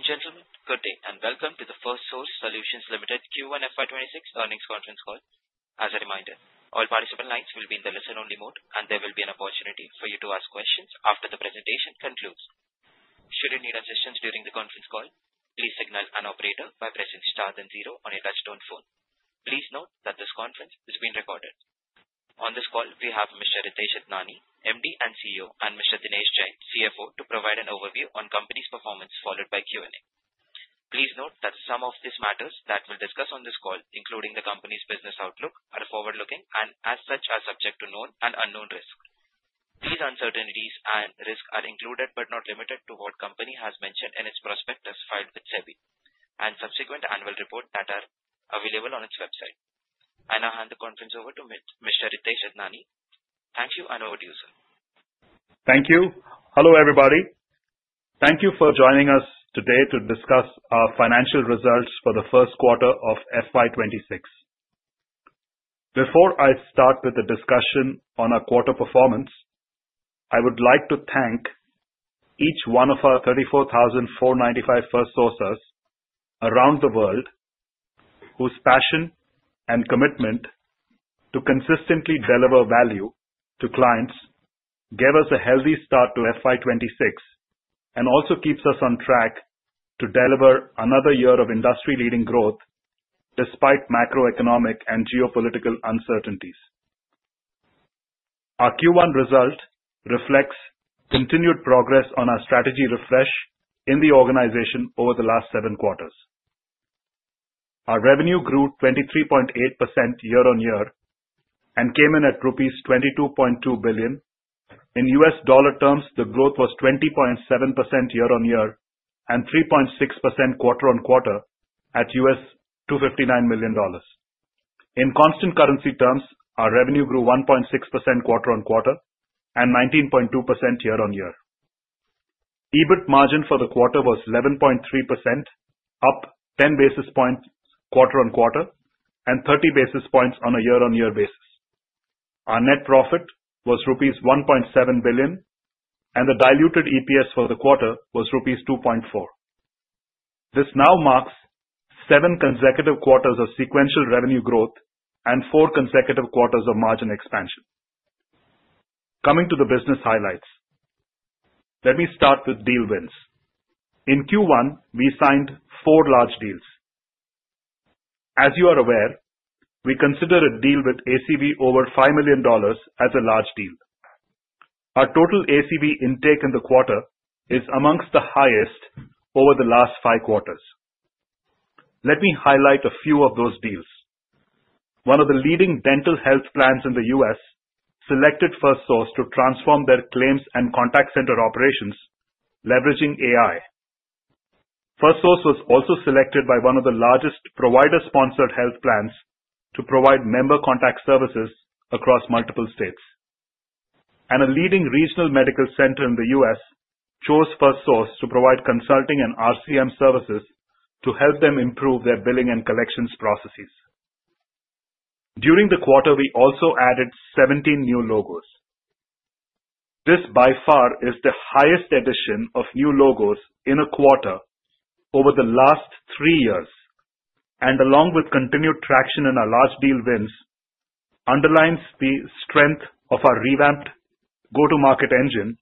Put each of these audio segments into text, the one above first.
Ladies and gentlemen, good day and welcome to the Firstsource Solutions Limited Q1 FY 2026 earnings conference call. As a reminder, all participant lines will be in the listen only mode and there will be an opportunity for you to ask questions after the presentation concludes. Should you need assistance during the conference call, please signal an operator by pressing star and zero on your touch-tone phone. Please note that this conference is being recorded. On this call we have Mr. Ritesh Idnani, Managing Director and CEO, and Mr. Dinesh Jain, CFO, to provide an overview on the company's performance followed by Q&A. Please note that some of these matters that we'll discuss on this call, including the company's business outlook, are forward looking and as such are subject to known and unknown risks. These uncertainties and risks are included, but not limited to what the company has mentioned in its prospectus filed with SEBI and subsequent annual report that are available on its website. I now hand the conference over to Mr. Ritesh Idnani. Thank you, and over to you sir. Thank you. Hello everybody. Thank you for joining us today to discuss our financial results for the first quarter of FY 2026. Before I start with a discussion on our quarter performance, I would like to thank each one of our 34,495 Firstsourcers around the world whose passion and commitment to consistently deliver value to clients gave us a healthy start to FY 2026 and also keeps us on track to deliver another year of industry-leading growth despite macroeconomic and geopolitical uncertainties. Our Q1 result reflects continued progress on our strategy refresh in the organization. Over the last seven quarters, our revenue grew 23.8% year on year and came in at rupees 22.2 billion. In U.S. dollar terms, the growth was 20.7% year on year and 3.6% quarter on quarter at $259 million. In constant currency terms, our revenue grew 1.6% quarter on quarter and 19.2% year on year. EBIT margin for the quarter was 11.3%, up 10 basis points quarter on quarter and 30 basis points on a year on year basis. Our net profit was rupees 1.7 billion and the diluted EPS for the quarter was rupees 2.4. This now marks seven consecutive quarters of sequential revenue growth and four consecutive quarters of margin expansion. Coming to the business highlights, let me start with deal wins. In Q1 we signed four large deals. As you are aware, we consider a deal with ACV over $5 million as a large deal. Our total ACV intake in the quarter is amongst the highest over the last five quarters. Let me highlight a few of those deals. One of the leading dental health plans in the U.S. selected Firstsource to transform their claims and contact center operations leveraging AI. Firstsource was also selected by one of. The largest provider-sponsored health plans to provide member contact services across multiple states and a leading regional medical center in the U.S. chose Firstsource to provide consulting and RCM services to help them improve their billing and collections processes. During the quarter, we also added 17 new logos. This by far is the highest addition of new logos in a quarter over the last three years, and along with continued traction in our large deal wins, underlines the strength of our revamped go-to-market engine,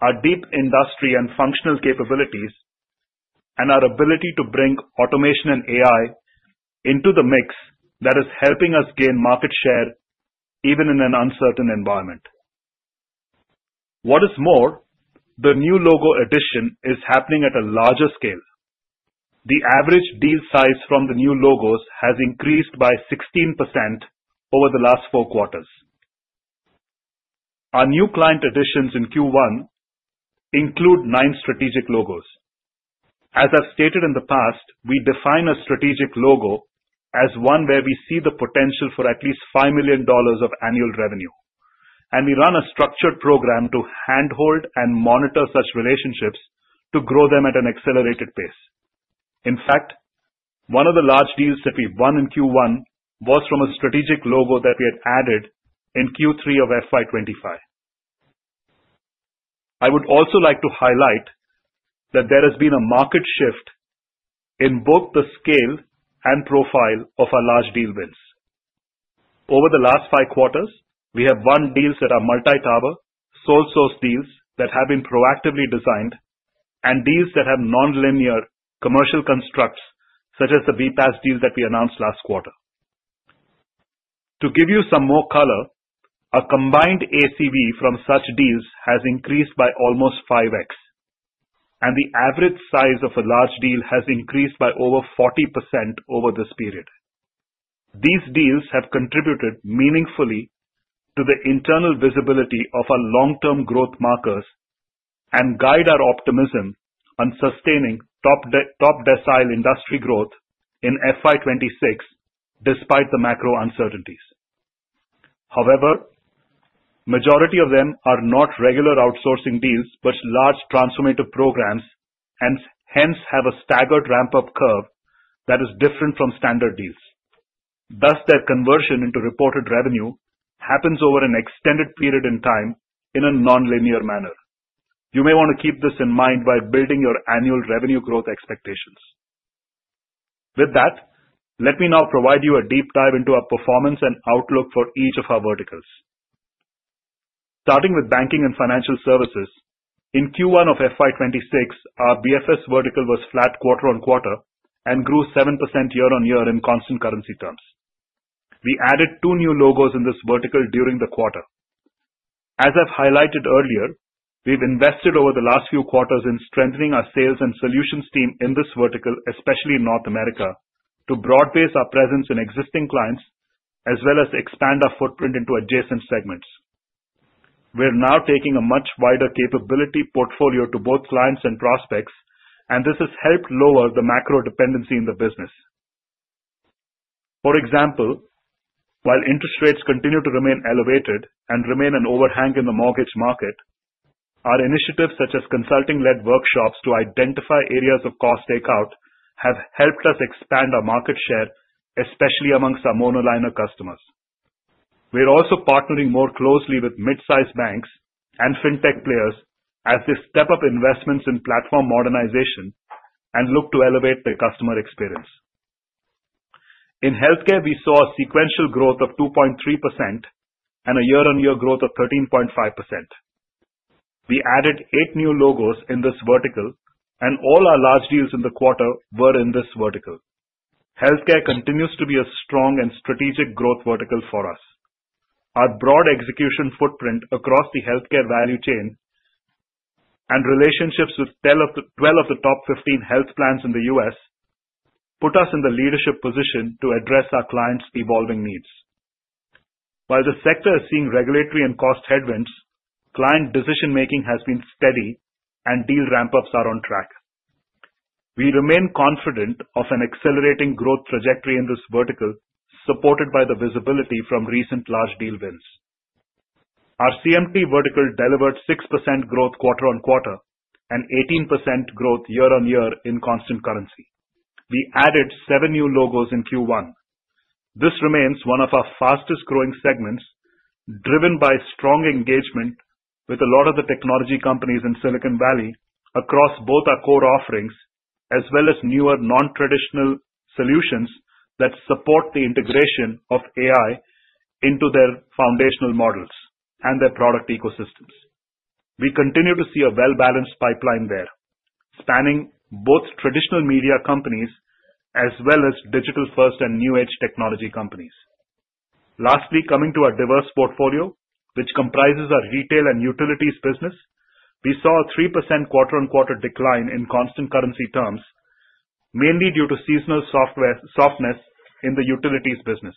our deep industry and functional capabilities, and our ability to bring automation and AI into the mix that is helping us gain market share even in an uncertain environment. What is more, the new logo addition is happening at a larger scale. The average deal size from the new logos has increased by 16% over the last four quarters. Our new client additions in Q1 include nine strategic logos. As I've stated in the past, we define a strategic logo as one where we see the potential for at least $5 million of annual revenue and we run a structured program to handhold and monitor such relationships to grow them at an accelerated pace. In fact, one of the large deals that we won in Q1 was from a strategic logo that we had added in Q3 of FY 2025. I would also like to highlight that. There has been a market shift in both the scale and profile of our large deal wins over the last five quarters. We have won deals that are multitower sole source deals that have been proactively designed and deals that have nonlinear commercial constructs such as the BPaaS deal that we announced last quarter. To give you some more color, a combined ACV from such deals has increased by almost 5x, and the average size of a large deal has increased by over 40% over this period. These deals have contributed meaningfully to the internal visibility of our long term growth markers and guide our optimism on sustaining top decile industry growth in FY 2026. Despite the macro uncertainties, however, majority of them are not regular outsourcing deals but large transformative programs, and hence have a staggered ramp up curve that is different from standard deals. Thus, their conversion into reported revenue happens over an extended period in time, in a nonlinear manner. You may want to keep this in mind by building your annual revenue growth expectations. With that, let me now provide you a deep dive into our performance and outlook for each of our verticals starting with banking and financial services. In Q1 of FY 2026, our BFS vertical was flat quarter on quarter and grew 7% year on year in constant currency terms. We added two new logos in this vertical during the quarter. As I've highlighted earlier, we've invested over the last few quarters in strengthening our sales and solutions team in this vertical. Especially in North America, to broadbase our presence in existing clients as well as expand our footprint into adjacent segments. We're now taking a much wider capability portfolio to both clients and prospects, and this has helped lower the macro dependency in the business. For example, while interest rates continue to remain elevated and remain an overhang in the mortgage market. Our initiatives such as consulting led workshops to identify areas of cost takeout have helped us expand our market share, especially amongst our monoliner customers. We're also partnering more closely with mid sized banks and fintech players as they step up investments in platform modernization and look to elevate their customer experience. In healthcare we saw a sequential growth of 2.3% and a year-on-year growth of 13.5%. We added eight new logos in this vertical, and all our large deals in the quarter were in this vertical. Healthcare continues to be a strong and strategic growth vertical for us. Our broad execution footprint across healthcare value chain and relationships with 12 of the top 15 health plans in the U.S. put us in the leadership position to address our clients' evolving needs. While the sector is seeing regulatory and cost headwinds, client decision making has been steady, and deal ramp ups are on track. We remain confident of an accelerating growth trajectory in this vertical supported by the visibility from recent large deal wins. Our CMT vertical delivered 6% growth quarter on quarter and 18% growth year on year in constant currency. We added seven new logos in Q1. This remains one of our fastest growing segments, driven by strong engagement with a lot of the technology companies in Silicon Valley across both our core offerings as well as newer non-traditional solutions that support the integration of AI into their foundational models and their product ecosystems. We continue to see a well-balanced pipeline there spanning both traditional media companies as well as digital-first and new-age technology companies. Lastly, coming to our diverse portfolio, which comprises our retail and utilities business. We saw a 3% quarter-on-quarter decline in constant currency terms, mainly due to seasonal softness in the utilities business.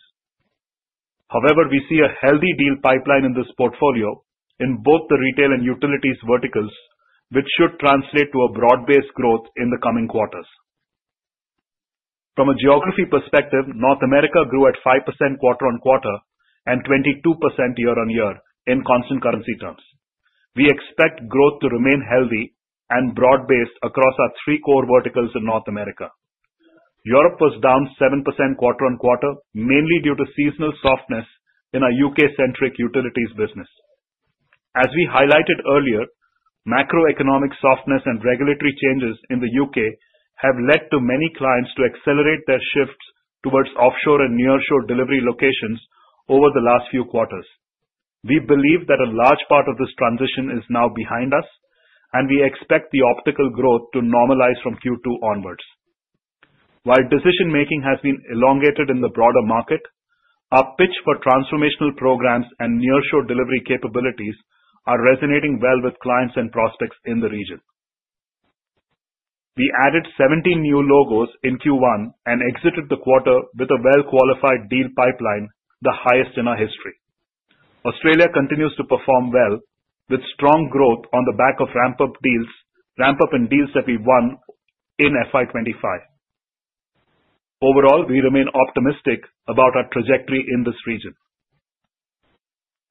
However, we see a healthy deal pipeline in this portfolio in both the retail and utilities verticals, which should translate to a broad-based growth in the coming quarters. From a geography perspective, North America grew at 5% quarter on quarter and 22% year on year in constant currency terms, we expect growth to remain healthy. Broad-based across our three core verticals. In North America, Europe was down 7% quarter on quarter, mainly due to seasonal softness in our U.K.-centric utilities business. As we highlighted earlier, macroeconomic softness and regulatory changes in the U.K. have led many clients to accelerate their shifts. Towards offshore/nearshore delivery locations over the last few quarters. We believe that a large part of this transition is now behind us. We expect the optical growth to normalize from Q2 onwards. While decision making has been elongated in the broader market, our pitch for transformational. Programs and nearshore delivery capabilities are resonating well with clients and prospects in the region. We added 17 new logos in Q1 and exited the quarter with a well-qualified deal pipeline, the highest in our history. Australia continues to perform well with strong growth on the back of ramp-up deals, ramp-up in deals that we won in FY 2025. Overall, we remain optimistic about our trajectory in this region.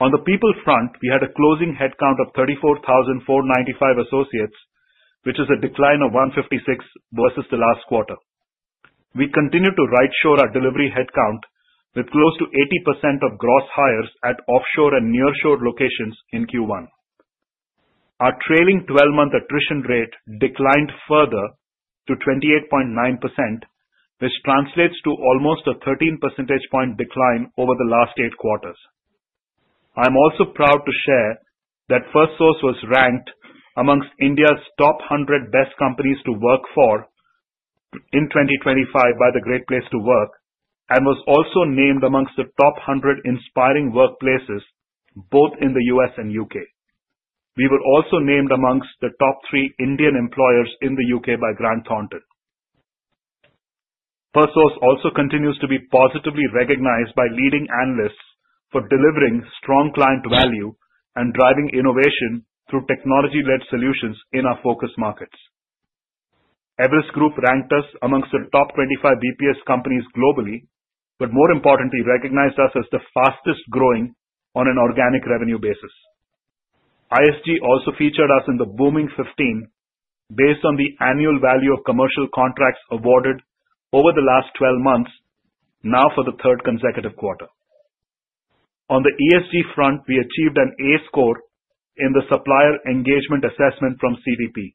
On the people front, we had a closing headcount of 34,495 associates, which is a decline of 156 versus the last quarter. We continue to rightshore our delivery. Headcount with close to 80% of gross hires at offshore and nearshore locations. In Q1 our trailing 12-month attrition rate declined further to 28.9%, which translates to almost a 13 percentage point decline over the last 8 quarters. I'm also proud to share that Firstsource was ranked amongst India's top 100 best companies to work for in 2025 by Great Place to Work and was also named amongst the top 100 inspiring workplaces both in the U.S. and U.K. We were also named amongst the top 3 Indian employers in the U.K. by Grant Thornton. Firstsource also continues to be positively recognized by leading analysts for delivering strong client value and driving innovation through technology-led solutions in our focus markets. Everest Group ranked us amongst the top 25 BPS companies globally, but more importantly, recognized us as the fastest growing on an organic revenue basis. ISG also featured us in the booming 15 based on the annual value of commercial contracts awarded over the last 12 months. Now, for the third consecutive quarter, on the ESG front, we achieved an A score in the Supplier Engagement Assessment from CDP.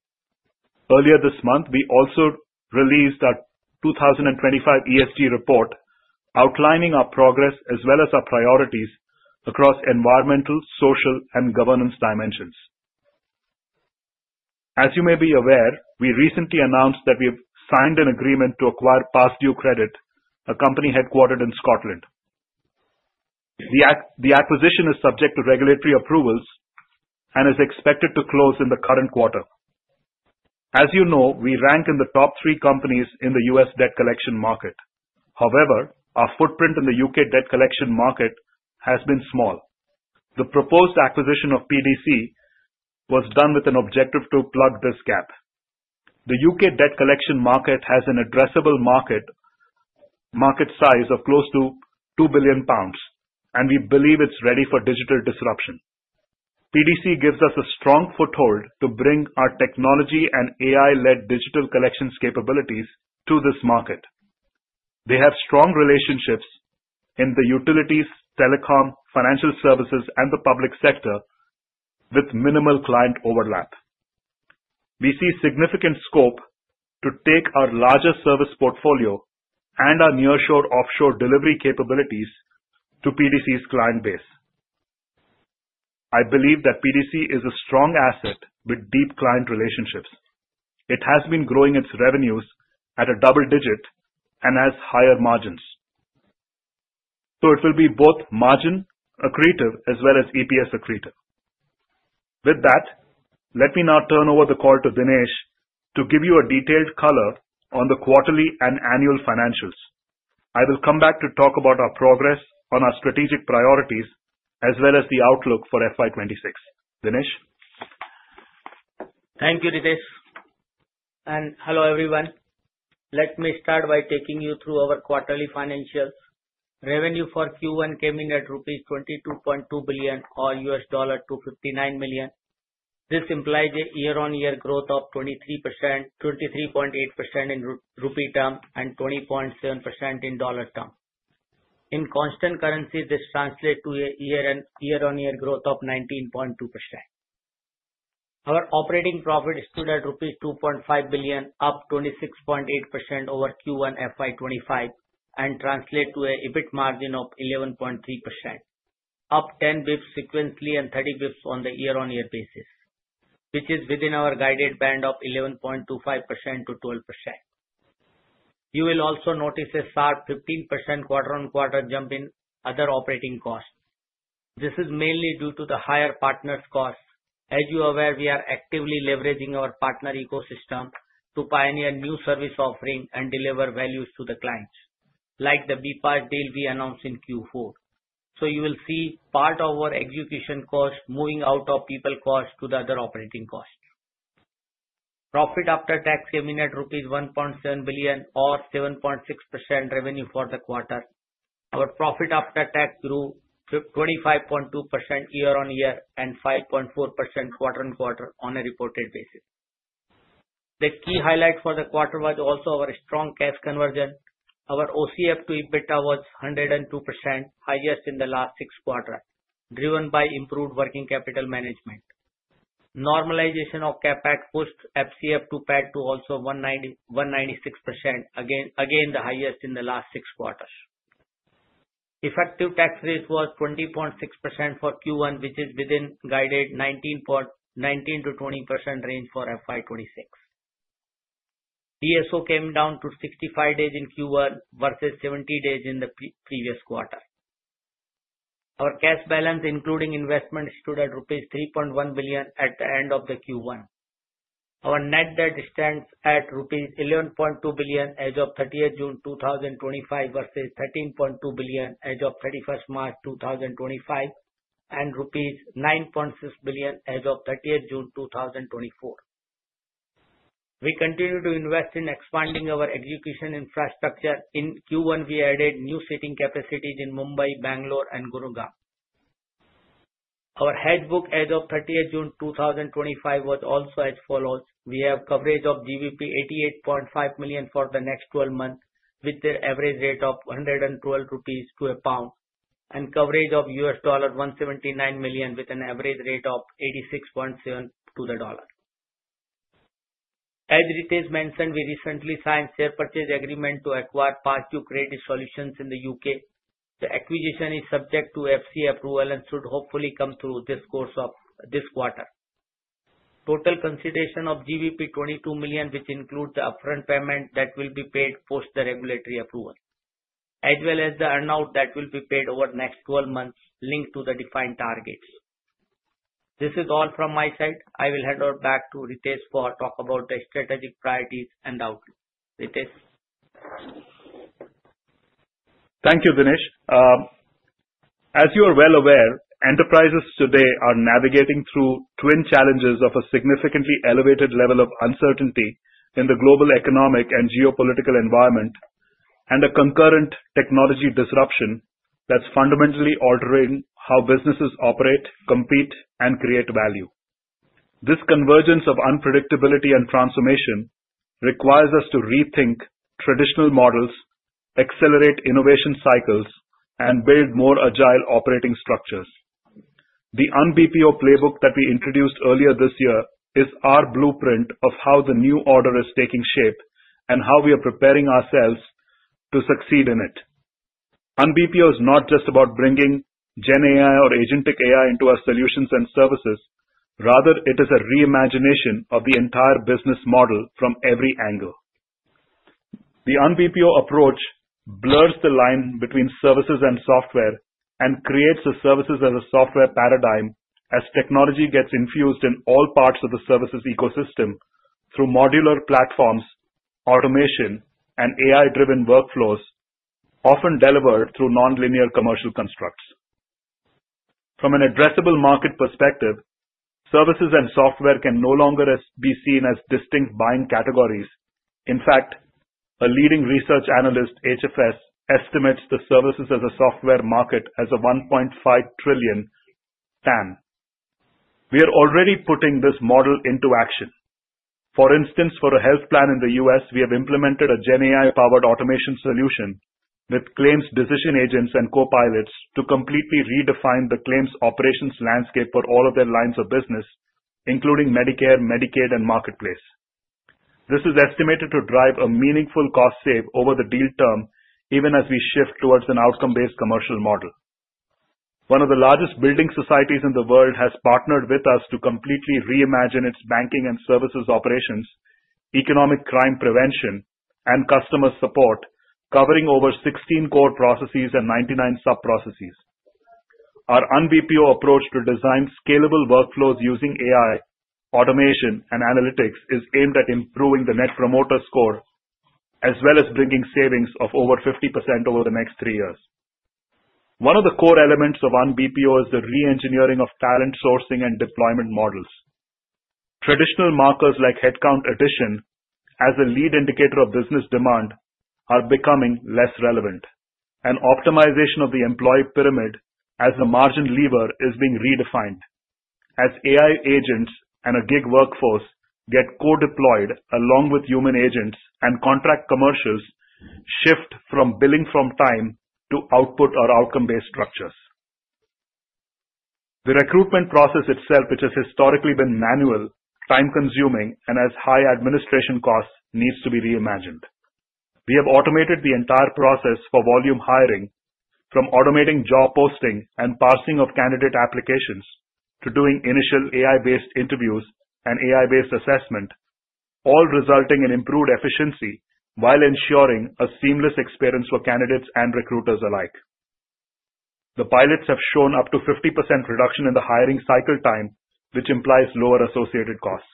Earlier this month, we also released our 2025 ESG report outlining our progress as well as our priorities across environmental, social, and governance dimensions. As you may be aware, we recently announced that we have signed an agreement to acquire Pastdue Credit, a company headquartered in Scotland. The acquisition is subject to regulatory approvals. It is expected to close in the current quarter. As you know, we rank in the top three companies in the U.S. debt collection market. However, our footprint in the U.K. debt collection market has been small. The proposed acquisition of PDC was done with an objective to plug this gap. The U.K. debt collection market has an addressable market size of close to 2 billion pounds, and we believe it's ready for digital disruption. PDC gives us a strong foothold to bring our technology and AI-led digital collections capabilities to this market. They have strong relationships in the utilities, telecom, financial services, and the public sector with minimal client overlap. We see significant scope to take our larger service portfolio and our nearshore/offshore delivery capabilities to PDC's client base. I believe that PDC is a strong asset with deep client relationships. It has been growing its revenues at a double digit and has higher margins, so it will be both margin accretive as well as EPS accretive. With that, let me now turn over the call to Dinesh to give you a detailed color on the quarterly and annual financials. I will come back to talk about our progress on our strategic priorities as well as the outlook for FY 2026. Dinesh. Thank you Ritesh, and hello everyone. Let me start by taking you through our quarterly financials. Revenue for Q1 came in at rupees 22.2 billion or $259 million. This implies a year-on-year growth of 23%-23.8% in rupee terms, and 20.7% in dollar terms. In constant currency, this translates to a year-on-year growth of 19.2%. Our operating profit stood at rupees 2.5 billion, up 26.8% over Q1 FY 2025, and translates to an EBIT margin of 11.3%, up 10 bps sequentially and 30 bps on a year-on-year basis, which is within our guided band of 11.25%-12%. You will also notice a sharp 15% quarter-on-quarter jump in other operating costs. This is mainly due to the higher partners cost. As you are aware, we are actively leveraging our partner ecosystem to pioneer new service offerings and deliver value to the clients like the BPaaS deal we announced in Q4. You will see part of our execution cost moving out of people cost to the other operating cost. Profit after tax coming at rupees 1.7 billion or 7.6% revenue for the quarter. Our profit after tax grew 25.2% year-on-year and 5.4% quarter-on-quarter on a reported basis. The key highlight for the quarter was also our strong cash conversion. Our OCF to EBITDA was 102%, highest in the last six quarters, driven by improved working capital management. Normalization of CapEx pushed FCF to PAT to also 196%, again the highest in the last six quarters. Effective tax rate was 20.6% for Q1, which is within guided 19%-20% range for FY 2026. DSO came down to 65 days in Q1 versus 70 days in the previous quarter. Our cash balance including investment stood at rupees 3.1 billion at the end of Q1. Our net debt stands at rupees 11.2 billion as of 30th June 2025 versus 13.2 billion as of 31st March 2025 and rupees 9.6 billion as of 30th June 2024. We continue to invest in expanding our execution infrastructure in Q1. We added new seating capacities in Mumbai, Bangalore, and Gurugram. Our hedge book as of 30th June 2025 was also as follows. We have coverage of GBP 88.5 million for the next 12 months with the average rate of 112 rupees to a pound and coverage of $179 million with an average rate of 86.7 to the dollar. As Ritesh mentioned, we recently signed a share purchase agreement to acquire Pastdue Credit Solutions in the U.K. The acquisition is subject to FCA approval and should hopefully come through in the course of this quarter. Total consideration of 22 million, which includes the upfront payment that will be paid post the regulatory approval as well as the earnout that will be paid over the next 12 months linked to the defined targets. This is all from my side. I will hand over back to Ritesh to talk about the strategic priorities and outlook. Ritesh. Thank you, Dinesh. As you are well aware, enterprises today are navigating through twin challenges of a significantly elevated level of uncertainty in the global economic and geopolitical environment and a concurrent technology disruption that's fundamentally altering how businesses operate, compete, and create value. This convergence of unpredictability and transformation requires us to rethink traditional models, accelerate innovation cycles, and build more agile operating structures. The UnBPO playbook that we introduced earlier this year is our blueprint of how the new order is taking shape and how we are preparing ourselves to succeed in it. UnBPO is not just about bringing GenAI or agentic AI into our solutions and services. Rather, it is a reimagination of the entire business model from every angle. The UnBPO approach blurs the line between services and software and creates the services as a software paradigm as technology gets infused in all parts of the services ecosystem through modular platforms, automation, and AI-driven workflows, often delivered through nonlinear commercial constructs. From an addressable market perspective, services and software can no longer be seen as distinct buying categories. In fact, a leading research analyst, HFS, estimates the services as a software market as a $1.5 trillion. We are already putting this model into action. For instance, for a health plan in the U.S., we have implemented a GenAI-powered automation solution with claims decision agents and copilots to completely redefine the claims operations landscape for all of their lines of business including Medicare, Medicaid, and marketplace. This is estimated to drive a meaningful cost save over the deal term even as we shift towards an outcome-based commercial model. One of the largest building societies in the world has partnered with us to completely reimagine its banking and financial services operations, economic crime prevention, and customer support covering over 16 core processes and 99 sub-processes. Our UnBPO approach to design scalable workflows using AI automation and analytics is aimed at improving the net promoter score as well as bringing savings of over 50% over the next three years. One of the core elements of UnBPO. It is the re-engineering of talent sourcing and deployment models. Traditional markers like headcount addition as a lead indicator of business demand are becoming less relevant. An optimization of the employee pyramid as the margin lever is being redefined as AI agents and a gig workforce get co-deployed along with human agents, and contract commercials shift from billing from time. To output or outcome-based structures, the recruitment process itself, which has historically. Been manual, time consuming, and has high administration costs, needs to be reimagined. We have automated the entire process for volume hiring, from automating job posting and parsing of candidate applications to doing initial AI-based interviews and AI-based assessment, all resulting in improved efficiency while ensuring a seamless experience for candidates and recruiters alike. The pilots have shown up to 50% reduction in the hiring cycle time, which implies lower associated costs.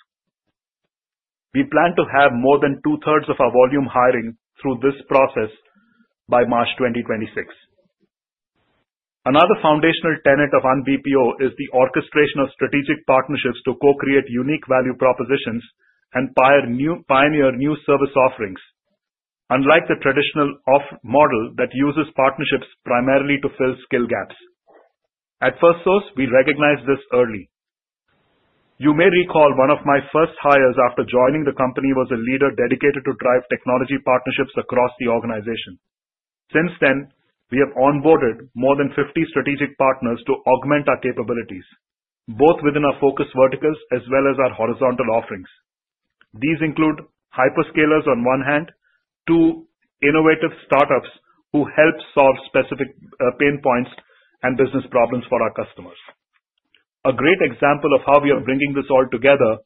We plan to have more than 2/3 of our volume hiring through this process by March 2026. Another foundational tenet of UnBPO is the orchestration of strategic partnerships to co-create unique value propositions and pioneer new service offerings. Unlike the traditional model that uses partnerships. Primarily to fill skill gaps. At Firstsource, we recognized this early. You may recall one of my first hires after joining the company was a leader dedicated to drive technology partnerships across the organization. Since then we have onboarded more than 50 strategic partners to augment our capabilities both within our focus verticals as well as our horizontal offerings. These include hyperscalers on one hand, two innovative startups who help solve specific pain points and business problems for our customers. A great example of how we are bringing this all together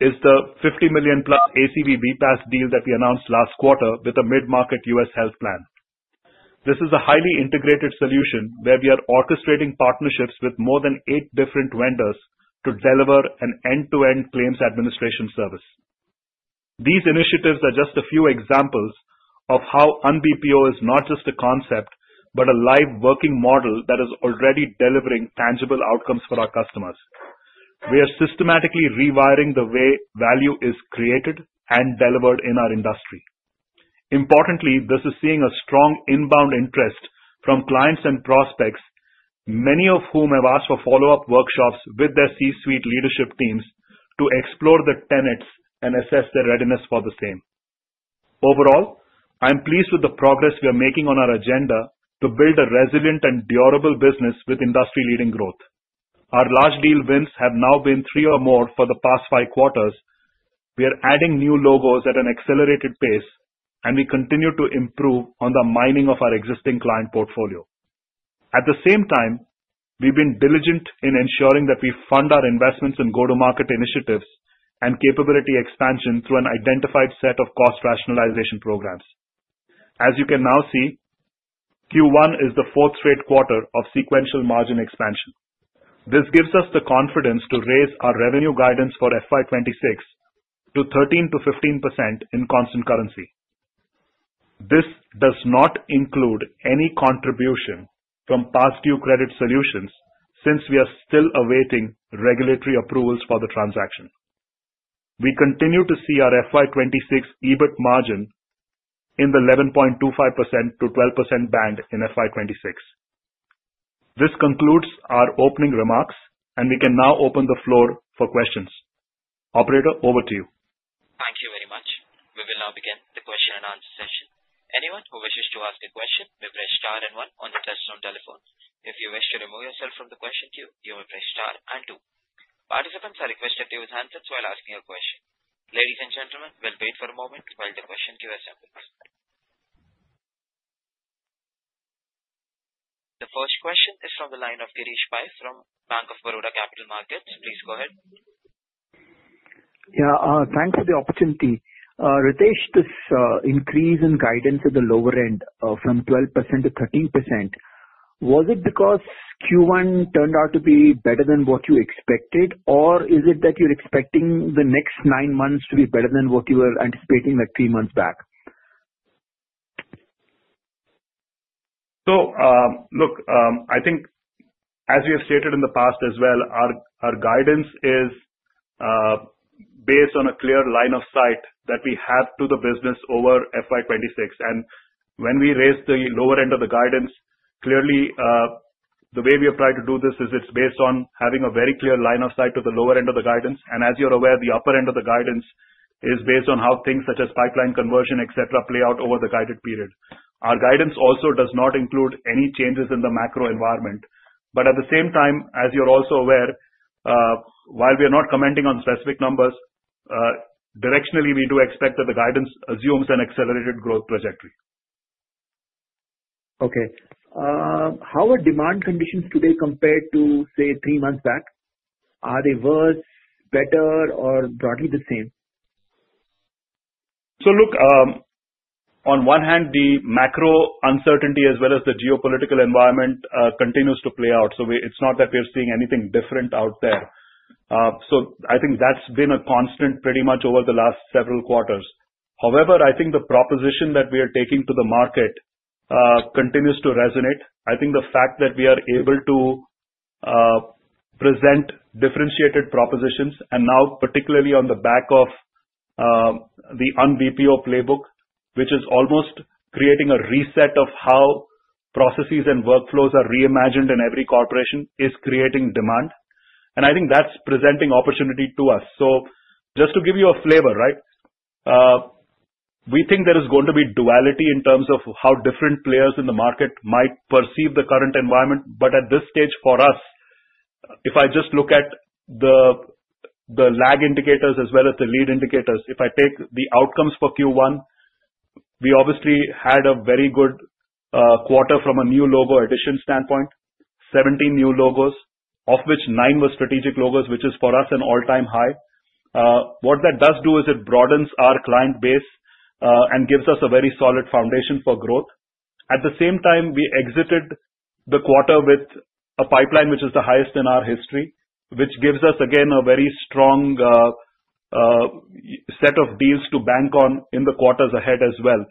is the $50+ million ACV BPaaS deal that we announced last quarter with a mid-market U.S. health plan. This is a highly integrated solution where we are orchestrating partnerships with more than eight different vendors to deliver an end-to-end claims administration service. These initiatives are just a few examples of how UnBPO is not just a concept, but a live working model that is already delivering tangible outcomes for our customers. We are systematically rewiring the way value is created and delivered in our industry. Importantly, this is seeing a strong inbound interest from clients and prospects, many of whom have asked for follow-up workshops with their C-suite leadership teams to explore the tenets and assess their readiness for the same. Overall, I'm pleased with the progress we are making on our agenda to build a resilient and durable business with industry-leading growth. Our large deal wins have now been three or more for the past five quarters. We are adding new logos at an accelerated pace, and we continue to improve on the mining of our existing client portfolio. At the same time, we've been diligent in ensuring that we fund our investments in go to market initiatives and capability expansion through an identified set of cost rationalization programs. As you can now see, Q1 is the fourth straight quarter of sequential margin expansion. This gives us the confidence to raise our revenue guidance for FY 2026 to 13%-15% in constant currency. This does not include any contribution from Pastdue Credit Solutions, since we are still awaiting regulatory approvals for the transaction. We continue to see our FY 2026 EBIT margin in the 11.25%-12% band in FY 2026. This concludes our opening remarks and we can now open the floor for questions. Operator, over to you. Thank you very much. We will now begin the question and answer session. Anyone who wishes to ask a question may press star and one on the test zone telephone. If you wish to remove yourself from the question queue, you may press star and two. Participants are requested to use handsets while asking a question. Ladies and gentlemen, we'll wait for a moment while the question queue assembles. The first question is from the line of Girish Pai from Bank of Baroda Capital Markets. Please go ahead. Yeah, thanks for the opportunity. Ritesh, this increase in guidance at the lower end from 12%-13%, was it because Q1 turned out to be better than what you expected or is that you're expecting the next nine months to be better than what you were anticipating like three months back? I think as we have stated in the past as well, our guidance is based on a clear line of sight that we have to the business over FY 2026, and when we raise the lower end of the guidance, clearly. The way we have tried to do this is it's based on having a very clear line of sight to the lower end of the guidance, and as you're aware, the upper end. The guidance is based on how. Things such as pipeline conversion, etc. Play out over the guided period. Our guidance also does not include any changes in the macro environment. At the same time, as you're also aware, while we are not commenting on specific numbers directionally, we do expect that the guidance assumes an accelerated growth trajectory. Okay, how are demand conditions today compared to say three months back? Are they worse, better, or broadly the same? On one hand, the macro uncertainty as well as the geopolitical environment continues to play out. It's not that we are seeing anything different out there. I think that's been a constant. Pretty much over the last several quarters. However, I think the proposition that we are taking to the market continues to resonate. I think the fact that we are able to present differentiated propositions and now, particularly on the back of the UnBPO playbook, which is almost creating a reset of how processes and workflows are reimagined in every corporation, is creating demand, and I think that's presenting opportunity to us. Just to give you a flavor, we think there is going to be duality in terms of how different. Players in the market might perceive the current environment. At this stage for us. If I just look at the lag indicators as well as the lead indicators, if I take the outcomes for Q1, we obviously had a very good quarter. From a new logo addition standpoint, 17. New logos, of which nine were strategic logos, which is for us an all-time high. What that does do is. It broadens our client base and gives. Us a very solid foundation for growth. At the same time, we exited the quarter with a pipeline which is the. Highest in our history. Which gives us again a very strong set of deals to bank on in the quarters ahead as well.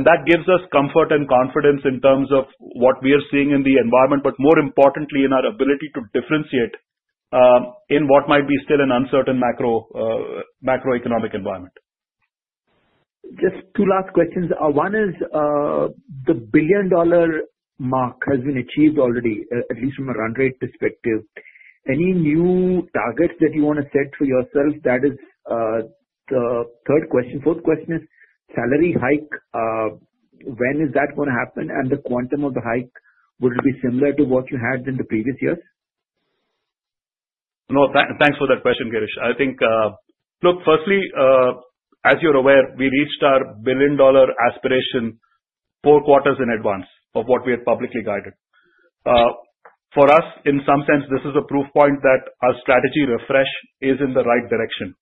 That gives us comfort and confidence in terms of what we are seeing in the environment, but more importantly in our ability to differentiate in what might be still an uncertain macroeconomic environment. Just two last questions. One is the billion dollar mark has been achieved already, at least from a run rate perspective. Any new targets that you want to set for yourself, that is the third question. Fourth question is salary hike? When is that going to happen? The quantum of the hike would. It be similar to what you had in the previous years? No. Thanks for that question, Girish. Firstly, as you're aware, we reached our billion dollar aspiration four quarters in. Advance of what we had publicly guided. For us, in some sense, this is a proof point that our strategy refresh. Is in the right direction.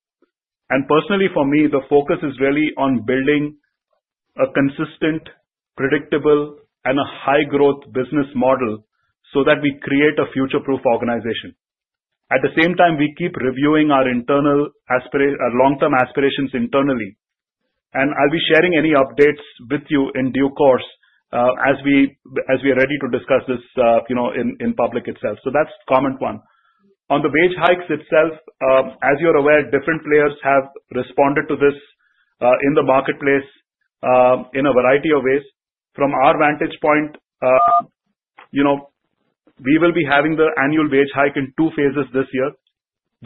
For me, the focus is really on building a consistent, predictable, and high growth business model so that we create a future-proof organization. At the same time, we keep reviewing our internal long-term aspirations internally. I'll be sharing any updates with you. You in due course as we are ready to discuss this in public itself. That's common. One, on the wage hikes itself, as. You're aware, different players have responded to. This is in the marketplace in a variety of ways. From our vantage point, we will be having the annual wage hike in two phases this year.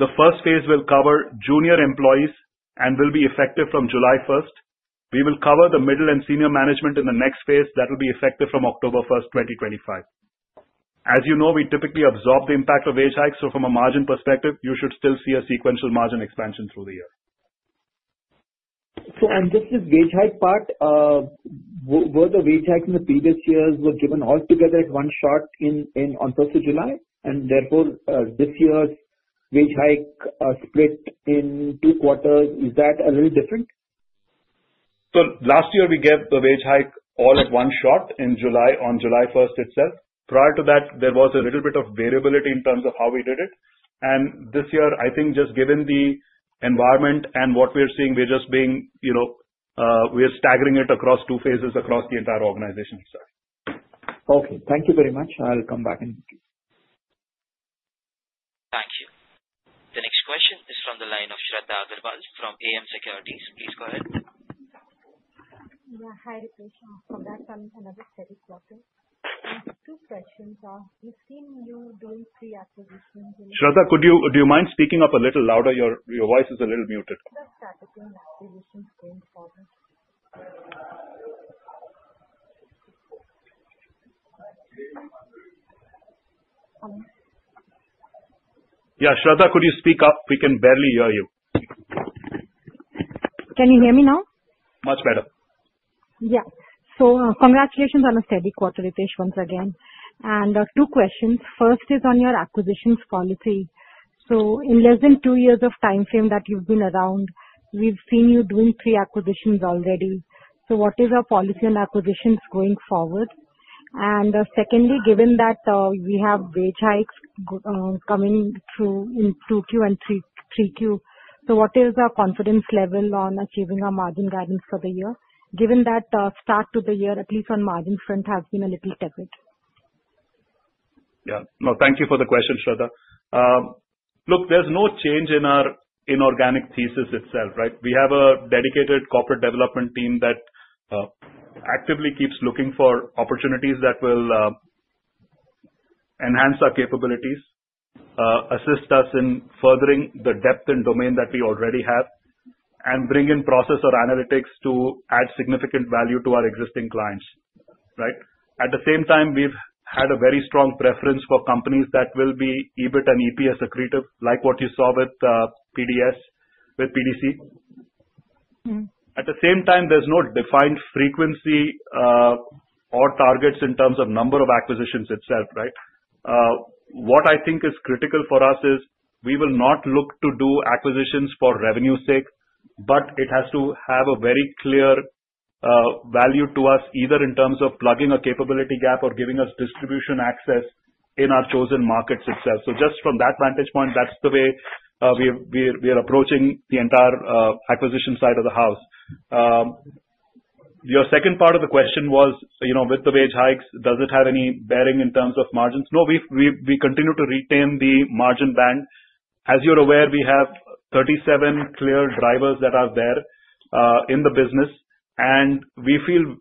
The first phase will cover junior employees. This will be effective from July 1st. We will cover the middle and senior management. In the next phase that will be effective from October 1st, 2025. As you know, we typically absorb the impact of wage hikes. From a margin perspective, you should. Still see a sequential margin expansion through the year. On this wage hike part, were the wage hikes in the previous years given altogether at one shot on. 1st of July and therefore this year's. Wage hike split in two quarters. Is that a little different? Last year we gave the wage hike all at one shot in July, on July 1st itself. Prior to that there was a little. Bit of variability in terms of how we did it. This year, I think just given the environment and what we're seeing, we're staggering it across two phases across the entire organization. Okay, thank you very much. I'll come back. Thank you. The next question is from the line of Shradha Agrawal from AM Securities. Please go ahead. Hi Ritesh. For that, another set is blocking two questions. We've seen you doing three acquisitions. Shradha, could you speak up a little louder? Your voice is a little muted. Yeah, Shradha, could you speak up? We can barely hear you. Can you hear me now? Much better. Yeah. Congratulations on a steady quarter once again, and two questions. First is on your acquisitions policy. In less than two years of time frame that you've been around, we've seen you doing three acquisitions already. What is our policy in acquisitions going forward? Secondly, given that we have wage hikes coming through in 2Q and 3Q, what is our confidence level on achieving our margin guidance for the year, given that start to the year, at least on margin front, has been a little tepid? Yeah, no, thank you for the question, Shradha. Look, there's no change in our inorganic thesis itself, right? We have a dedicated corporate development team that actively keeps looking for opportunities. Will. Enhance our capabilities, assist us in furthering the depth and domain that we. Already have and bring in process or analytics to add significant value to our existing clients. Right. At the same time, we've had a very strong preference for companies that will be EBIT and EPS accretive, like what. You saw with PDC. At the same time, there's no defined frequency or targets in terms of number of acquisitions itself. Right. What I think is critical for us is we will not look to do acquisitions for revenue sake, but it has to have a very clear value to us either in terms of plugging a capability gap or giving us distribution access in our chosen markets itself. Just from that vantage point, that's the way we are approaching the entire. Acquisition side of the house. Your second part of the question was, with the wage hikes, does it have any bearing in terms of margins? No, we continue to retain the margin band. As you're aware, we have 37 clear. Drivers that are there in the business. We feel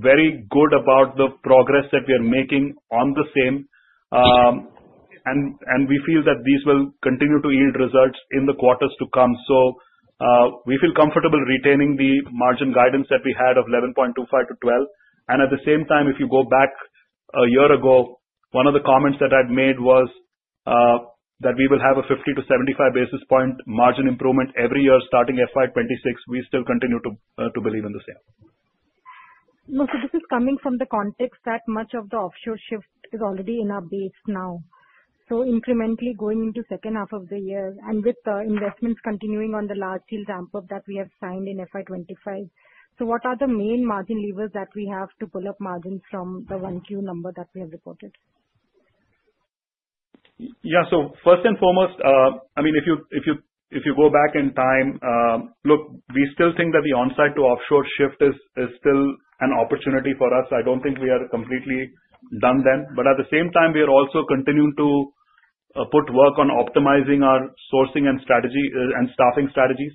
very good about the progress that we are making on the same, and we feel that these will continue to yield results in the quarters to come. We feel comfortable retaining the margin. Guidance that we had of 11.25%-12%. At the same time, if you go back a year ago, one of the comments that I'd made was that we will have a 50-75 basis point margin improvement every year starting FY 2026. We still continue to believe in the same. This is coming from the context that much of the offshore shift is already in our base now, so incrementally going into the second half of the year and with investments continuing on the large deal ramp up that we have signed in FY 2025, what are the main margin levers that we have to pull up margins from the 1Q number that we have reported? Yeah. First and foremost, I mean if you go back in time, look, we still think that the onsite to offshore. Shift is still an opportunity for us. I don't think we are completely done then. At the same time, we are also continuing to put work on optimizing. Our sourcing and staffing strategies.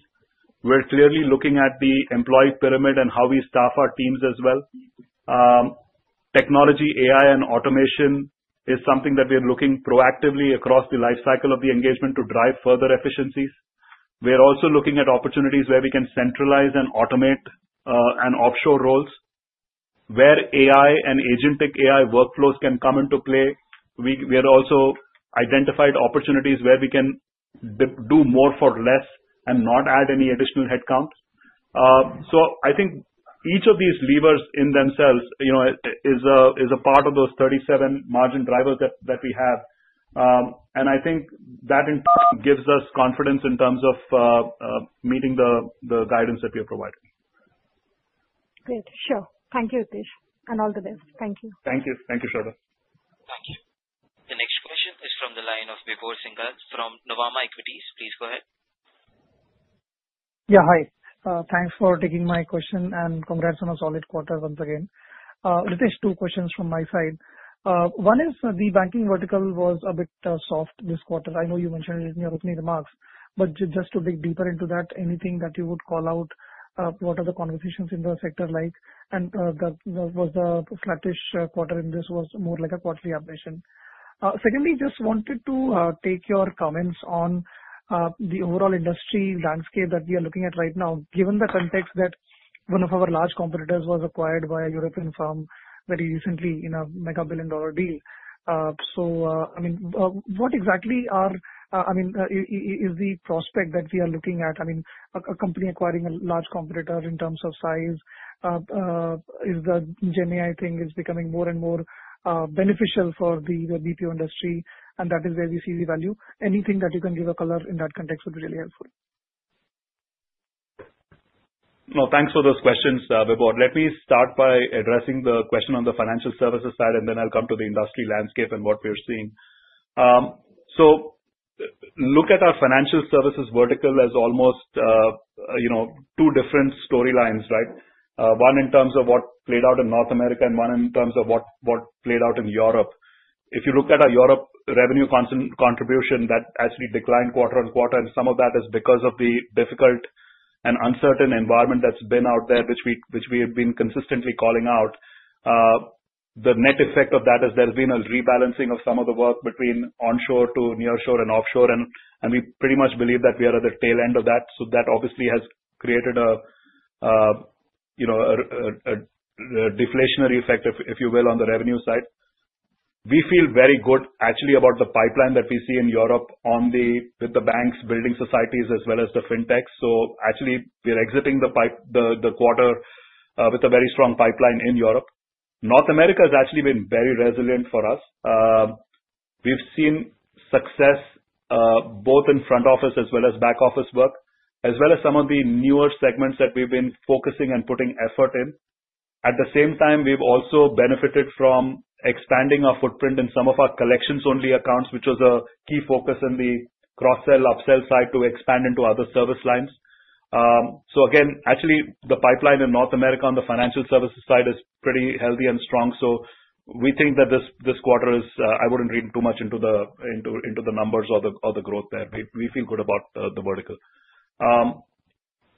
We're clearly looking at the employee pyramid. How we staff our teams as well. Technology, AI and automation is something that we are looking proactively across the lifecycle of the engagement to drive further efficiencies. We are also looking at opportunities where we can centralize and automate and offshore roles where AI and agentic AI workflows can come into play. We also identified opportunities where we can do more for less and not add any additional headcount. I think each of these levers. In themselves is a part of those. 37 margin drivers that we have. I think that gives us confidence. In terms of meeting the guidance that we have provided. Great. Sure. Thank you, and all the best. Thank you. Thank you. Thank you, Shradha. Thank you. The next question is from the line of Vibhor Singhal from Nuvama Equities. Please go ahead. Yeah. Hi, thanks for taking my question and congrats on a solid quarter once again. Ritesh, two questions from my side. One is the banking vertical was a bit soft this quarter. I know you mentioned it in your opening remarks, but just to dig deeper into that, anything that you would call out, what are the conversations in the sector like, and was the flattish quarter more like a quarterly operation? Secondly, just wanted to take your comments on the overall industry landscape that we are looking at right now given the context that one of our large competitors was acquired by a European firm very recently in a mega billion dollar deal. I mean, what exactly are, I mean, is the prospect that we are looking at, I mean, a company acquiring a large competitor in terms of size? Is the GenAI thing becoming more and more beneficial for the BPO industry and that is where we see the value? Anything that you can give a color in that context would be really helpful. Thanks for those questions, Vibhor. Let me start by addressing the question on the financial services side and then I'll come to the industry landscape and what we're seeing. Look at our financial services vertical as almost two different storylines, one in terms of what played out in North America and one in terms of what played out in Europe. If you look at our Europe revenue contribution, that actually declined quarter on quarter, and some of that is because of the difficult and uncertain environment that's been out there, which we have been consistently calling out. The net effect of that is there's been a rebalancing of some of the work between onshore to nearshore and offshore, and we pretty much believe that we are at the tail end of that. That obviously has created. A deflationary effect, if you will. On the revenue side, we feel very good actually about the pipeline that we see in Europe with the banks, building societies, as well as the fintechs. We are exiting the quarter with a very strong pipeline in Europe. North America has actually been very resilient for us. We've seen success both in front office. As well as back office operations. As some of the newer segments that we've been focusing and putting effort in, at the same time we've also benefited from expanding our footprint in some of our collections only accounts, which was a key focus in the cross sell upsell. Side to expand into other service lines. Actually, the pipeline in North America on the financial services side is. Pretty healthy and strong. We think that this quarter is, I wouldn't read too much into the numbers or the growth there. We feel good about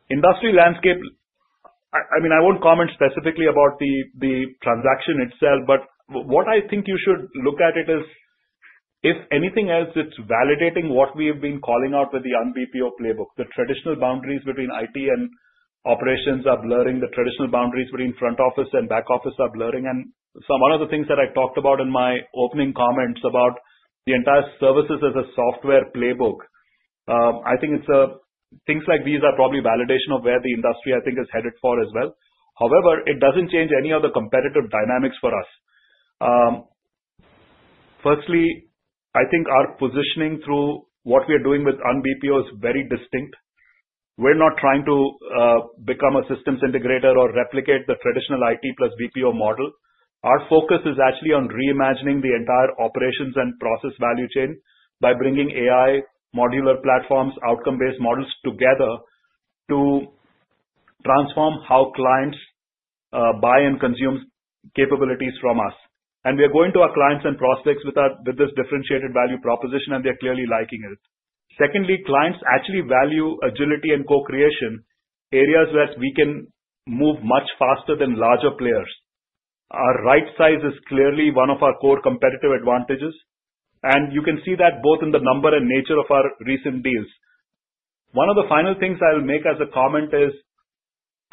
industry landscape. I mean, I won't comment specifically about the transaction itself, but what I think you should look at is if anything else, it's validating what we've been. Calling out with the UnBPO playbook. The traditional boundaries between IT and operations are blurring. The traditional boundaries between front office and back office are blurring. Some other things that I talked about in my opening comments about the entire services as a software playbook, I think it's a, things like these are probably validation of. Where the industry I think is headed for as well. However, it doesn't change any of the. Competitive dynamics for us. Firstly, I think our positioning through what we are doing with UnBPO is very distinct. We're not trying to become a systems integrator or replicate the traditional IT plus BPO model. Our focus is actually on reimagining the entire operations and process value chain by bringing AI modular platforms, outcome-based models. Together to transform how clients buy and consume capabilities from us. We are going to our clients and prospects with this differentiated value proposition. They are clearly liking it. Secondly, clients actually value agility and co-creation, areas where we can move much. Faster than larger players. Our right size is clearly one of our core competitive advantages, and you can see that both in the number and nature of our recent deals. One of the final things I'll make as a comment is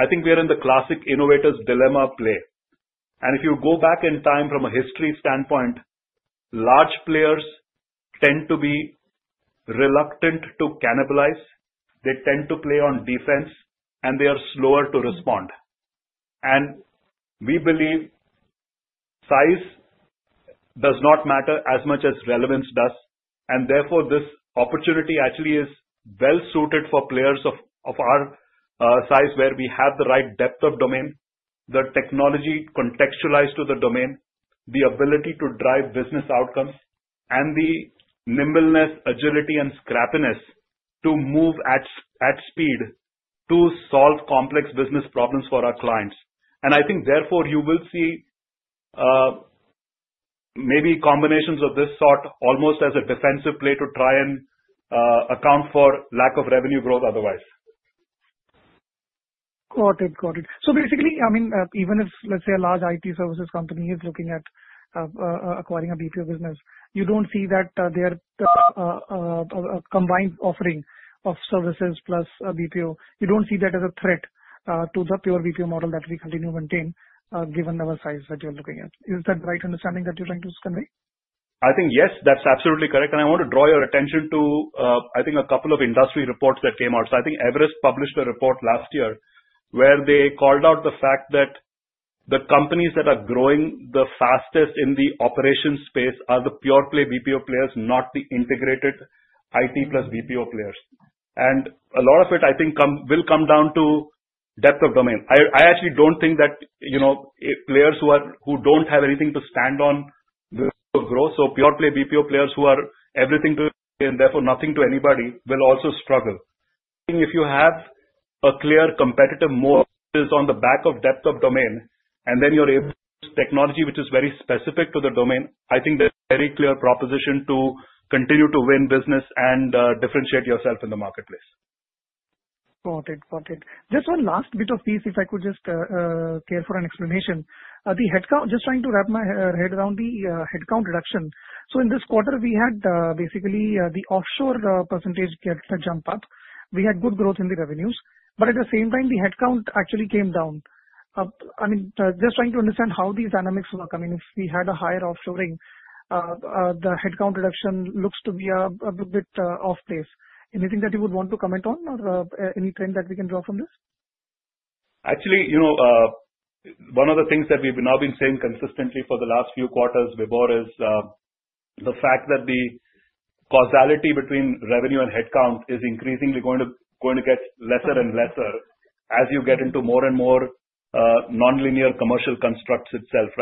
I think we are in the classic innovator's dilemma play. If you go back in time. From a history standpoint, large players tend. To be reluctant to cannibalize, they tend to play on defense, and they are slower to respond. We believe size does not matter as much as relevance does. Therefore, this opportunity actually is well suited for players of our size, where we have the right depth of domain, the technology contextualized to the domain, the ability to drive business outcomes, and the nimbleness, agility, and scrappiness to move at. Speed to solve complex business problems for our clients. I think therefore you will see maybe combinations of this sort almost as a defensive play to try and account for lack of revenue growth otherwise. Got it. So basically, I mean, even if, let's say, a large IT services company is looking at acquiring a BPO business, you don't see that their combined offering of services plus BPO, you don't see that as a threat to the pure BPO model that we continue to maintain. Given our size that you're looking at, is that the right understanding that you're trying to convey? I think yes, that's absolutely correct. I want to draw your attention to, I think, a couple of industry reports that came out. I think Everest published a report. Last year, they called out the fact that the companies that are growing the fastest in the operations space are the pure play BPO players, not the integrated IT plus BPO players. A lot of it, I think, will come down to depth of domain. I actually don't think that players who don't have anything to stand on will grow. Pure play BPO players who are everything to, and therefore nothing to anybody, will also struggle. If you have a clear competitive move, it is on the back of depth of. Domain and then you're able to use. Technology which is very specific to the domain. I think there's a very clear proposition to continue to win business and differentiate. Yourself in the marketplace. Got it. This one last bit of piece, if I could just care for an explanation. The headcount. Just trying to wrap my head around the headcount reduction. In this quarter we had basically the offshore percentage get the jump up. We had good growth in the revenues, but at the same time the headcount actually came down. I mean, just trying to understand how these dynamics work. If we had a higher offshoring, the headcount reduction looks to be a bit off place. Anything that you would want to comment on or any trend that we can draw from this? Actually, one of the things that we've now been saying consistently for the last few quarters, Vibhor, is the fact that the causality between revenue and headcount is increasingly going to get lesser and lesser as you get into more and more nonlinear commercial constructs itself.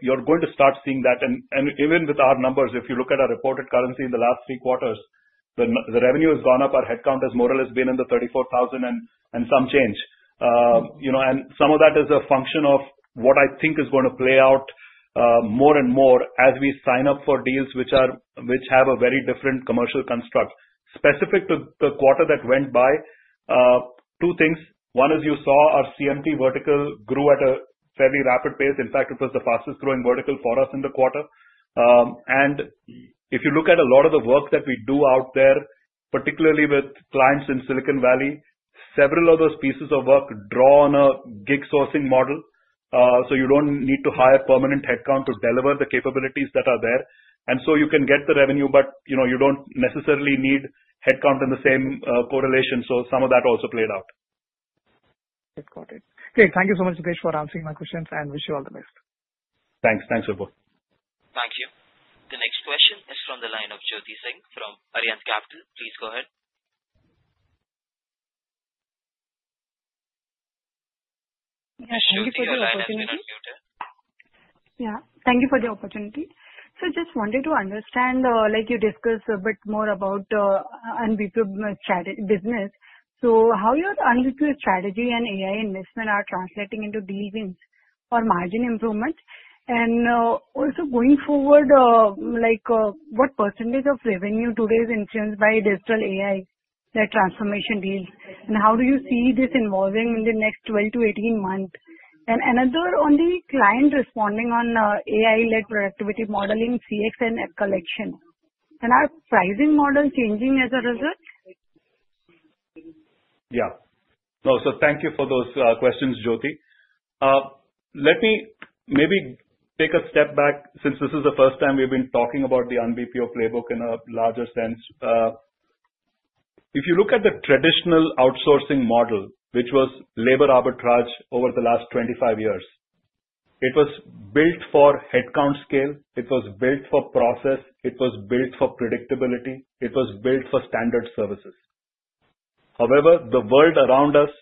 You're going to start seeing that. Even with our numbers, if you look at our reported currency, in the. Last three quarters, the revenue has gone. Our headcount has more or less been in the 34,000 and some change. Some of that is a function of what I think is going to play out more and more as we. Sign up for deals which have a. Very different commercial construct specific to the quarter that went by. Two things. One is you saw our CMT vertical. Grew at a fairly rapid pace. In fact, it was the fastest growing vertical for us in the quarter. If you look at a lot of the work that we do out there, particularly with clients in Silicon Valley, several of those pieces of work draw on a gig sourcing model. You don't need to hire permanent. Headcount to deliver the capabilities that are there. You can get the revenue, but you don't necessarily need headcount in the same correlation. Some of that also played out. Got it. Great. Thank you so much for answering my questions, and wish you all the best. Thanks. Thanks, Vibhor. Thank you. The next question is from the line of Jyoti Singh from Ariant Capital. Please go ahead. Thank you for the opportunity. I just wanted to understand, like you discussed, a bit more about unbelievable business, how your UnBPO strategy and AI investment are translating into deal wins or margin improvement. Also, going forward, what percentage of revenue today is influenced by digital AI, their transformation deals? How do you see this evolving in the next 12-18 months? Another on the client responding, on AI-led productivity modeling, CX and app collection, and are pricing models changing as a result? Yeah, thank you for those questions. Jyoti, let me maybe take a step back since this is the first time we've been talking about the UnBPO playbook. In a larger sense. If you look at the traditional outsourcing model, which was labor arbitrage over the. Last 25 years, it was built for headcount scale, it was built for process. It was built for predictability. Built for standard services. However, the world around us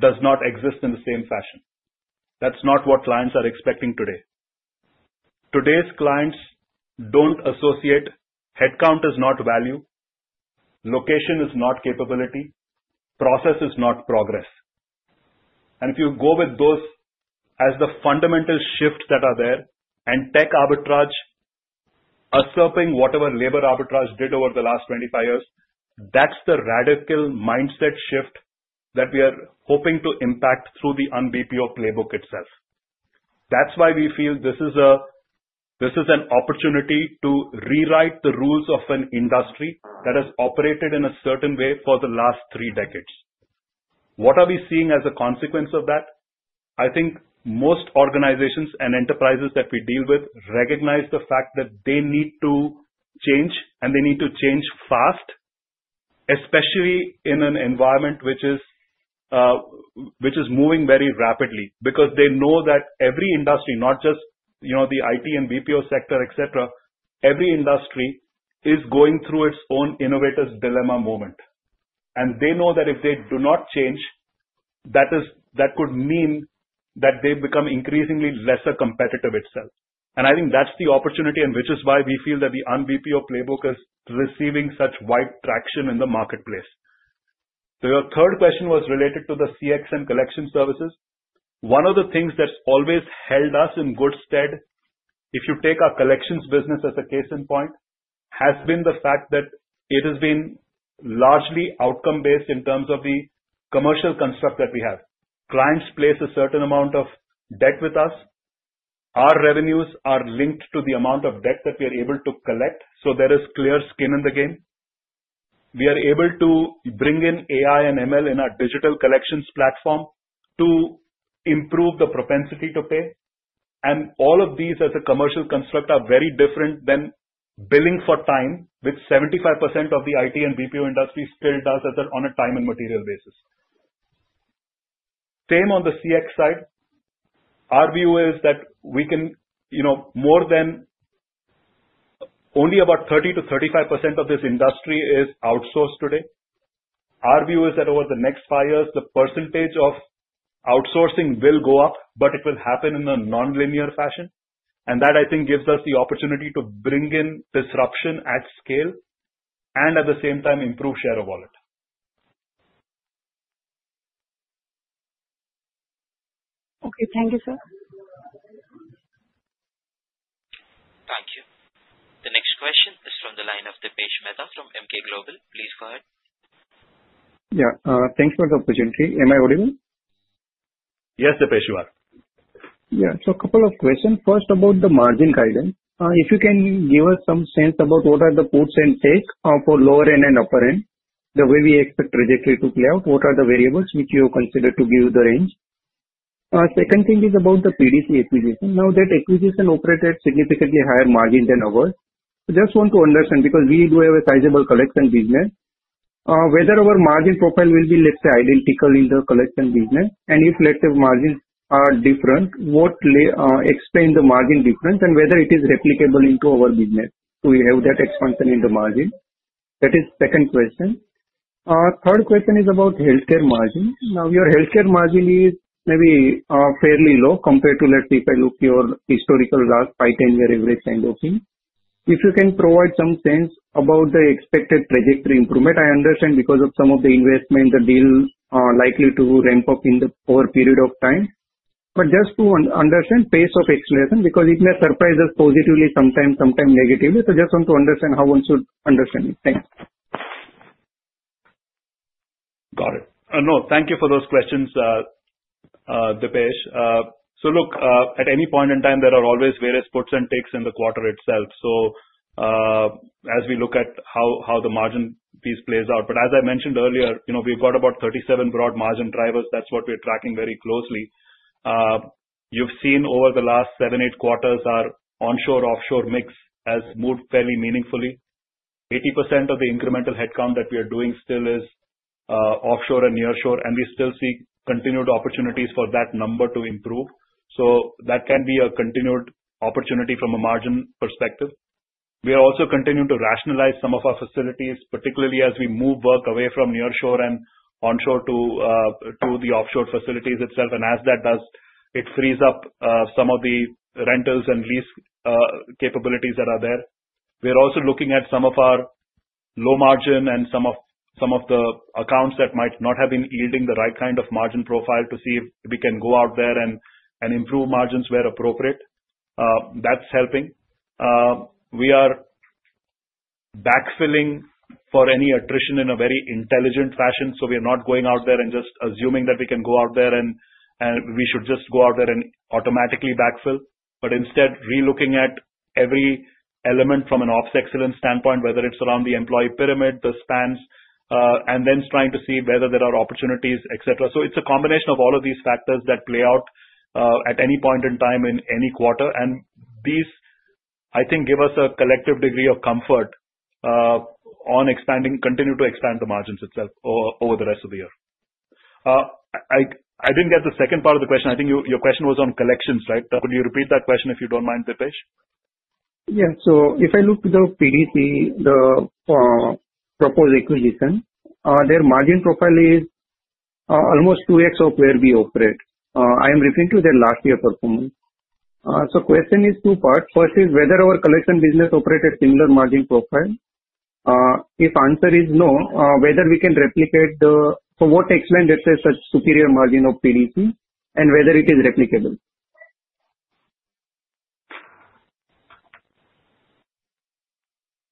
does not. Exist in the same fashion. That's not what clients are expecting today. Today's clients associate headcount is not value, location is not capability, process is not progress. If you go with those as the fundamental shift that are there, and tech arbitrage usurping whatever labor arbitrage did. Over the last 25 years, that's the. Radical mindset shift that we are hoping to impact through the UnBPO playbook itself. That's why we feel this is an opportunity to rewrite the rules of an industry that has operated in a certain way. Way for the last three decades. What are we seeing as a consequence of that? I think most organizations and enterprises that. We recognize the fact that they need to change and they need to change fast. Especially in an environment which is moving very rapidly. Because they know that every industry, not just the IT and BPO sector, is going through its own innovator's dilemma moment. They know that if they do not change, that could mean that they become increasingly less competitive itself. I think that's the opportunity, which is why we feel that the. UnBPO playbook is receiving such wide traction in the marketplace. Your third question was related to the CX and collection services. One of the things that's always held us in good stead, if you take our collection services business as a case in point, has been the fact that it has been largely outcome-based in terms. Of the commercial construct that we have. Clients place a certain amount of debt with us. Our revenues are linked to the amount of debt that we are able to collect. There is clear skin in the game. We are able to bring in AI and ML in our digital collections platform to improve the propensity to pay. All of these as a commercial construct are very different than billing for time, which 75% of the IT and. BPO industry still does on a time and material basis. Same on the CX side. Our view is that more than. Only. About 30%-35% of this industry is outsourced today. Our view is that over the next five years the percentage of outsourcing will go up, but it will happen in a nonlinear fashion. I think that gives us the. Opportunity to bring in disruption at scale and at the same time improve share of wallet. Okay, thank you, sir. Thank you. The next question is from the line of Dipesh Mehta from Emkay Global. Please go ahead. Yeah, thanks for the opportunity. Am I audible? Yes, Dipesh, you are. Yeah. A couple of questions. First about the margin guidance. If you can give us some sense about what are the puts and takes for lower end and upper end the way we expect trajectory to play out. What are the variables which you consider. To give the range. Second thing is about the PDC acquisition. Now that acquisition operated significantly higher margin than ours. Just want to understand because we do have a sizable collection business, whether our margin profile will be, let's say, identical in the collection business and if, let's say, margins are different, what explains the margin difference and whether it is replicable into our business. We have that expansion in the margin. That is second question. Third question is about healthcare margin. Now your healthcare margin is maybe fairly low compared to, let's say, if I look your historical 5, 10 year average kind of thing. If you can provide some sense about the expected trajectory improvement. I understand because of some of the investment the deal likely to ramp up. Over a period of time. Just to understand pace of acceleration because it may surprise us positively sometimes, sometimes negatively. Just want to understand how one should understand. Thanks. Got it. No, thank you for those questions, Dipesh. At any point in time, there are always various puts and takes. In the quarter itself. As we look at how the margin piece plays out, as I mentioned earlier, we've got about 37 broad margin drivers. That's what we're tracking very closely. You've seen over the last seven, eight. Few quarters, our onshore/offshore mix has moved fairly meaningfully. 80% of the incremental headcount that we are doing still is offshore and nearshore. We still see continued opportunities for that number to improve. That can be a continued opportunity. From a margin perspective. We are also continuing to rationalize some. Of our facilities, particularly as we move. Work away from nearshore and onshore to the offshore facilities itself. As that does, it frees up. Some of the rentals and lease capabilities that are there. We're also looking at some of our low margin and some of the accounts that might not have been yielding the right kind of margin profile to see. If we can go out there and. Improve margins where appropriate. That's helping. We are backfilling for any attrition. A very intelligent fashion. We are not going out there and just assuming that we can go. Out there, and we should just go. Out there and automatically backfill, instead relooking at every element from an ops excellence standpoint, whether it's around the employee pyramid, the spans, and then trying to see whether there are opportunities, etc. It's a combination of all of these factors that play out at any. Point in time in any quarter, and these I think give us a collective. Degree of comfort on expanding continues to. Expand the margins itself over the rest of the year. I didn't get the second part of the question. I think your question was on collection services. Right. Could you repeat that question if you don't mind? Dipesh. Yeah. If I look to the PDC, the proposed acquisition, their margin profile is almost 2x of where we operate. I am referring to their last year performance. The question is two parts. First is whether our collection business operated similar margin profile. If the answer is no, whether we can. Replicate the for what excellent it says. Such superior margin of PDC, and whether it is replicable.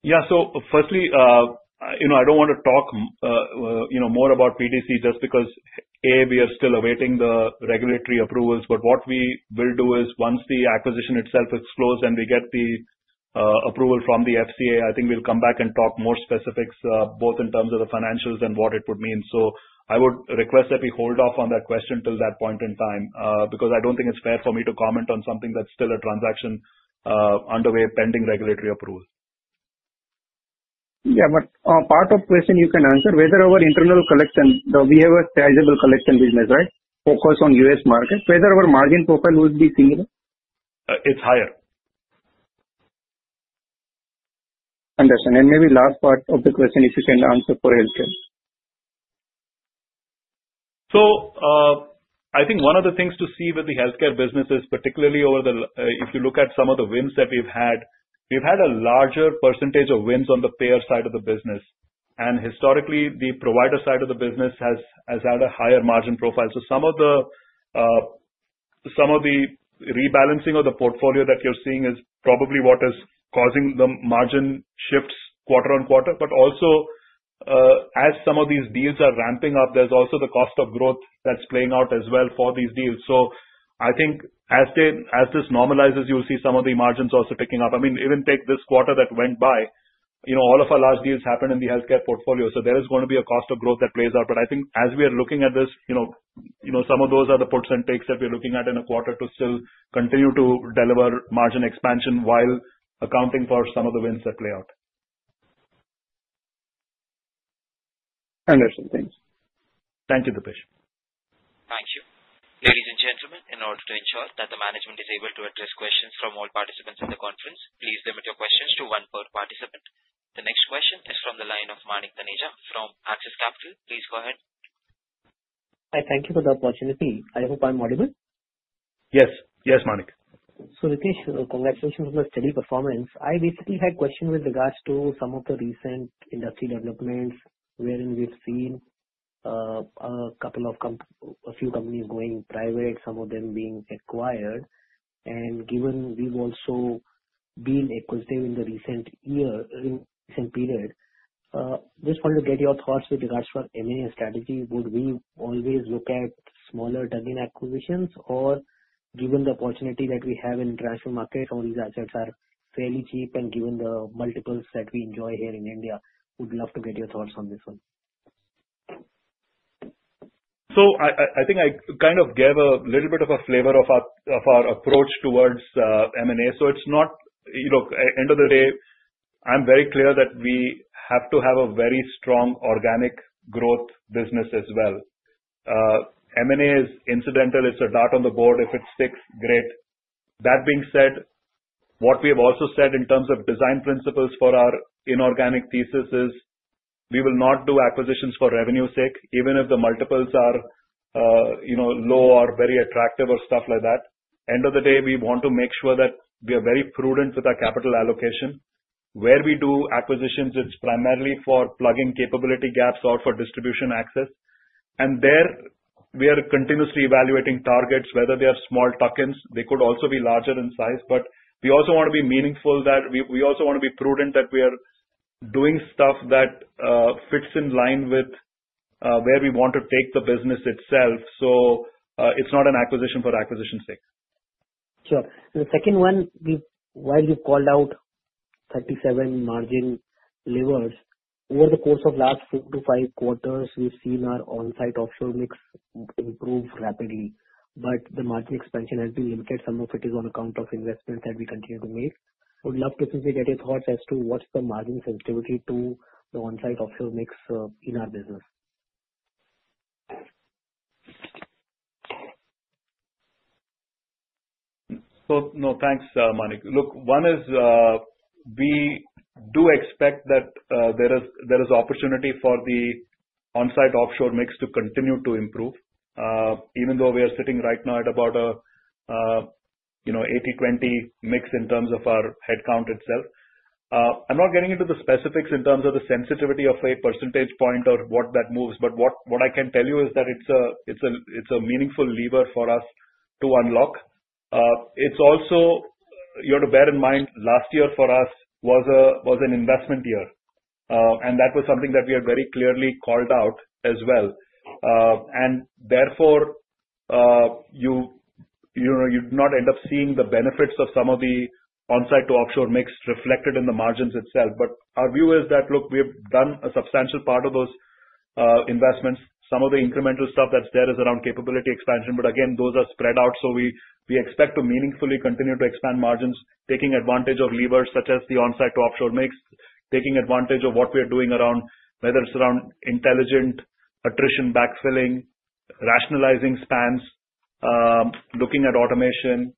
Yeah. Firstly, I don't want to talk more about PDC just because we are still awaiting the regulatory approvals, but what we will do is once the acquisition itself closes and we get the approval from the FCA, I think we'll come back and talk more specifics both in terms of the financials and what it would mean. I would request that we hold. off on that question till that point in time because I don't think it's fair for me to comment on something that's still a transaction underway pending regulatory approval. Yeah. Part of the question you can answer is whether our internal collection, we have a sizable collection business, right, focused on the U.S. market, whether our margin profile would be similar. It's higher. Understand. Maybe last part of the question if you can answer for healthcare. I think one of the things to see with the healthcare business is particularly over the, if you look at. Some of the wins that we've had. We've had a larger percentage of wins on the payer side of the business, and historically the provider side of the business has had a higher margin profile. Some of the rebalancing of the portfolio that you're seeing. Is probably what is causing the margin. Shifts quarter on quarter. As some of these deals are ramping up, there's also the cost of growth that's playing out as well for these deals. I think as this normalizes, you'll see some of the margins also picking up. I mean even take this quarter that. Went by all of our large deals. Happened in the healthcare portfolio. There is going to be a cost of growth that plays out. I think as we are looking at this, some of those are the puts and takes that we're looking at in a quarter to still continue to. Deliver margin expansion while accounting for some of the wins that play out. Understand. Thanks. Thank you, Dipesh. Thank you, ladies and gentlemen. In order to ensure that the management is able to address questions from all participants in the conference, please limit your questions to one per participant. The next question is from the line of Manik Taneja from Axis Capital. Please go ahead. I thank you for the opportunity. I hope I'm audible. Yes, yes, Manik. Ritesh, congratulations on the steady performance. I basically had a question with regards to. Some of the recent industry developments wherein we've seen a couple of companies going private, some of them being acquired, and given we've also been acquisitive in the recent year period, just wanted to get your thoughts with regards to our M&A strategy. Would we always look at smaller deals. In acquisitions or given the opportunity that we have in international market? All these assets are fairly cheap, and given the multiples that we enjoy here in India, would love to get your thoughts on this one. I think I kind of gave a little bit of a flavor of our approach towards M&A. It's not at the end of the day, I'm very clear that we have to have a very strong organic. Growth business as well. M&A is incidental. It's a dot on the board if it sticks. Great. That being said, what we have also said in terms of design principles for our inorganic thesis is we will not do acquisitions for revenue sake, even if the multiples are low or very attractive. Stuff like that. End of the day, we want to make sure that we are very prudent. With our capital allocation. Where we do acquisitions, it's primarily for plugging capability gaps or for distribution access. We are continuously evaluating targets. Whether they are small tuck-ins, they. Could also be larger in size. We also want to be meaningful, we also want to be prudent, that we are doing stuff that fits in line with where we want to. Take the business itself. It's not an acquisition for acquisition sake? Sure. The second one, while you called out 37 margin levers over the course of the last four to five quarters, we've seen our on site offshore mix improve rapidly. The margin expansion has been limited. Some of it is on account of investments that we continue to make. Would love to simply get your thoughts as to what's the margin sensitivity to the on site offshore mix in our business. Thanks Manik. Look, one is we do expect that there is opportunity for the onsite offshore mix to continue to improve even though we are sitting right now at. About 80/20 mix in terms of our headcount itself. I'm not getting into the specifics in terms of the sensitivity of a percentage point or what that moves, but what I can tell you is that it's a meaningful lever for us to unlock. You have to bear in mind last year for us was an. Investment year, and that was something that. We had very clearly called out as well. Therefore. You do not end up. Seeing the benefits of some of the on site to offshore mix reflected in the margins itself. Our view is that, look, we have done a substantial part of those investments. Some of the incremental stuff that's there is around capability expansion, but again those are spread out. We expect to meaningfully continue to expand margins, taking advantage of levers such as the on site to offshore mix, taking advantage of what we are doing around, whether it's around intelligent attrition, backfilling, rationalizing spans, looking at automation,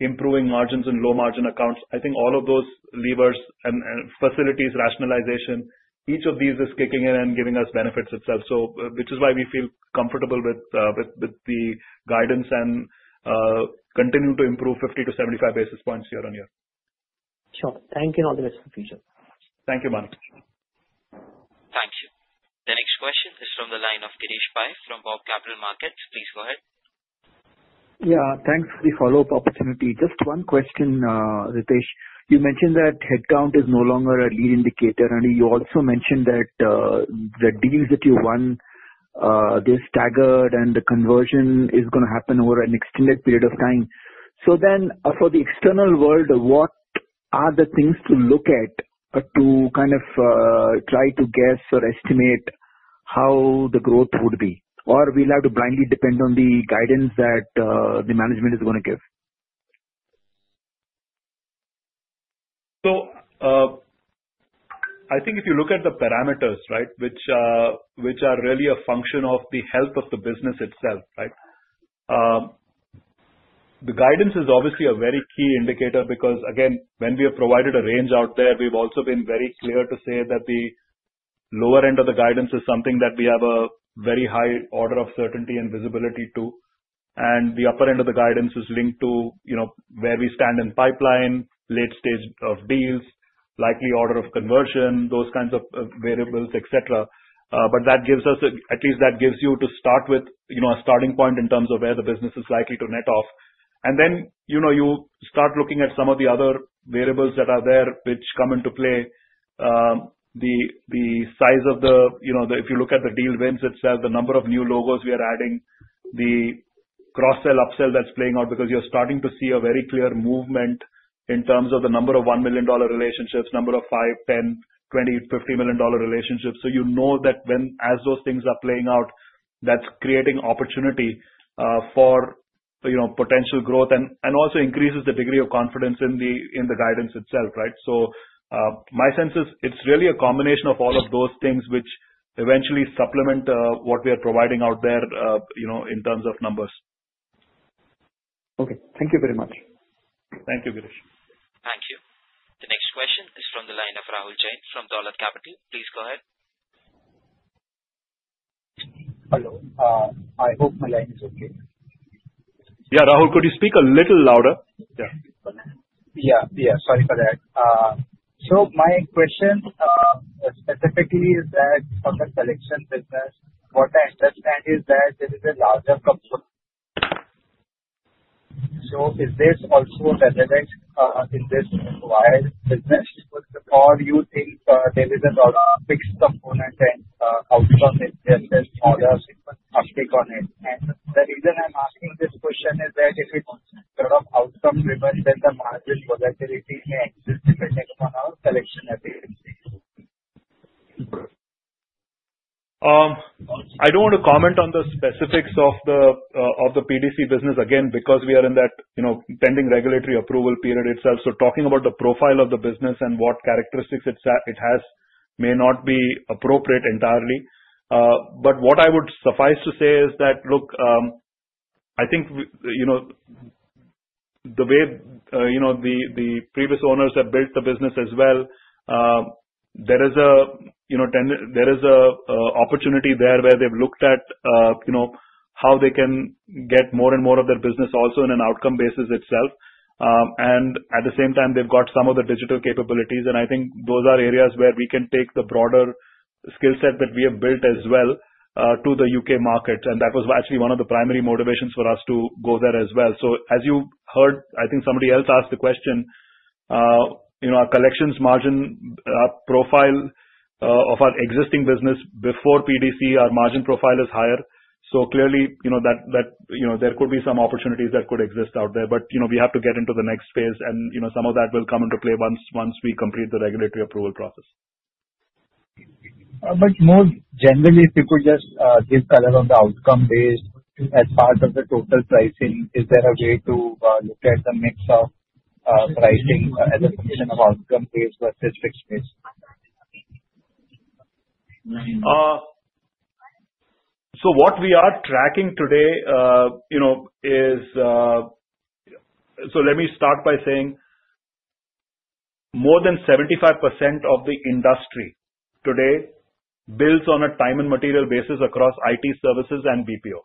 improving margins in low margin accounts. I think all of those levers and facilities, rationalization, each of these is kicking in and giving us benefits itself, which is why we feel comfortable with the guidance and continue to improve 50-75 basis points year on year. Sure. Thank you. All the rest of the future. Thank you, Manik. Thank you. The next question is from the line of Girish Pai from BoB Capital Markets. Please go ahead. Yes, thanks for the follow up opportunity. Just one question, Ritesh. You mentioned that headcount is no longer a lead indicator, and you also mentioned that the deals that you won, they're staggered and the conversion is going to happen over an extended period of time. For the external world, what are the things to look at to kind of try to guess or estimate. How the growth would be or we'll. Have to blindly depend on the guidance that the management is going to give. So. I think if you look at the parameters, right, which are really a. Function of the health of the business itself. The guidance is obviously a very key indicator because, again, when we have provided a range out there, we've also been very clear to say that the lower end of the guidance is something that we have a very high order of certainty and visibility to. The upper end of the guidance is linked to where we stand in. Pipeline, late stage of deals, likely order. Of conversion, those kinds of variables, etc. That gives us, at least that gives you, to start with, a starting point in terms of where the business. Is likely to net off, and then. You start looking at some of the other variables that are there which come into play. The size of the, if you look at the deal wins itself, the number of new logos we. Are adding the cross-sell, upsell. That's. Playing out because you're starting to see a very clear movement in terms of the number of $1 million relationships, number of $5 million, $10 million, $20 million, $50 million relationships. You know that as those things are playing out, that's creating opportunity for potential growth and also increases the degree of confidence in the guidance itself. Right. It is really a combination of all of those things which eventually supplement what we are providing out there in terms of numbers. Okay, thank you very much. Thank you, Girish. Thank you. The next question is from the line of Rahul Jain from Dolat Capital. Please go. Hello, I hope my line is okay. Yeah, Rahul, could you speak a little louder? Yeah, yeah, yeah. Sorry for that. My question specifically is that for the collection business, what I understand is that there is a larger component. Is this also relevant in this wireless business, or do you think there is a lot of fixed components and outcome is just a smaller uptick on it? The reason I'm asking this question is that if it is outcome driven, then the margin volatility may exist depending upon our selection. I don't want to comment on the specifics of the PDC business again because we are in that pending regulatory approval period itself. Talking about the profile of the. Business and what characteristics it has may not be appropriate entirely. What I would suffice to say is that, look, I think the way the previous owners have built the business. As well. There is an opportunity there where they've looked at how they can get more and more of their business also in an outcome basis itself. At the same time, they've got some of the digital capabilities. I think those are areas where. We can take the broader skill set. That we have built as well to the U.K. market. That was actually one of the primary motivations for us to go there as well. As you heard, I think somebody. Else asked the question, our collections margin. Profile of our existing business before PDC, our margin profile is higher. Clearly, there could be some opportunities that could exist out there, but we. Have to get into the next phase. Some of that will come into. Play once we complete the regulatory approval process. More generally, if you could just. Give color on the outcome-based as. Part of the total pricing is there. A way to look at the mix of pricing as a function of outcome-based versus fixed base. What we are tracking today is, let me start by saying more than 75% of the industry today builds on a time and material basis across. IT services and BPO.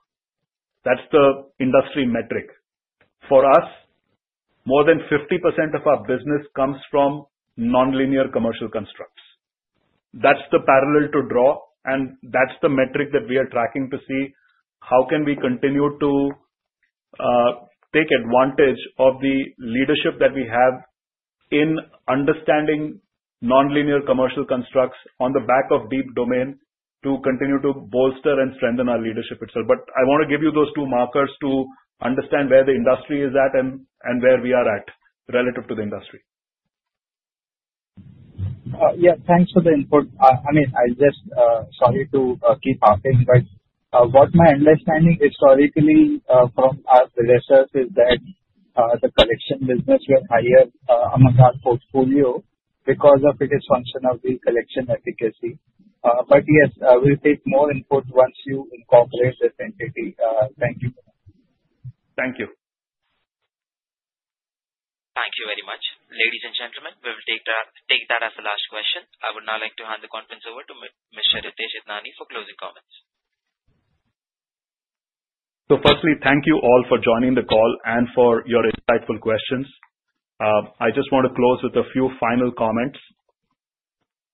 That's the industry metric for us. More than 50% of our business comes from nonlinear commercial constructs. That's the parallel to draw, and that's the metric that we are tracking to see how we can continue to take advantage of the leadership that we have in understanding nonlinear commercial constructs on the back of deep domain to continue to bolster and strengthen our leadership itself. I want to give you those two markers to understand where the industry is at and where we are at relative to the industry. Yeah, thanks for the input. I mean, sorry to keep. What my understanding historically from our. Researchers is that the collection business were higher among our portfolio because it is function of the collection efficacy. Yes, we'll take more input once you incorporate this entity. Thank you. Thank you. Thank you very much, ladies and gentlemen. We will take that as the last question. I would now like to hand the conference over to Mr. Ritesh Idnani for closing comments. Thank you all for joining. The call and for your insightful questions. I just want to close with a few final comments.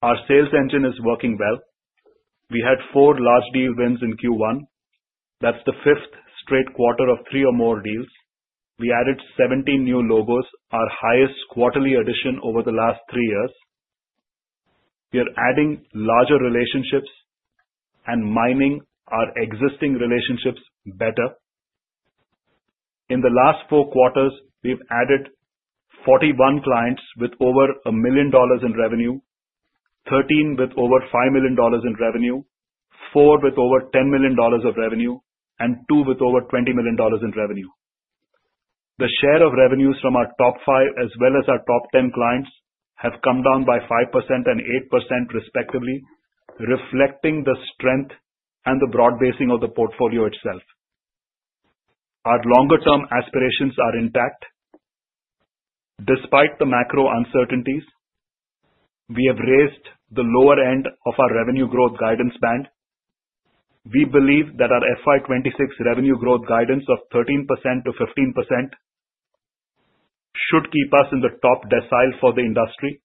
Our sales engine is working well. We had four large deal wins in Q1. That's the fifth straight quarter of three or more deals. We added 17 new logos, our highest quarterly addition over the last three years. We are adding larger relationships and mining our existing relationships better. In the last four quarters we've added 41 clients with over $1 million in revenue, 13 with over $5 million. In revenue, four with over $10 million of revenue, and two with over $20 million in revenue. The share of revenues from our top. Five as well as our top ten clients have come down by 5% and 8% respectively, reflecting the strength and the broad basing of the portfolio itself. Our longer term aspirations are intact despite the macro uncertainties. We have raised the lower end of our revenue growth guidance band. We believe that our FY 2026 revenue growth guidance is 13%-15%. Should keep. Us in the top decile for the industry.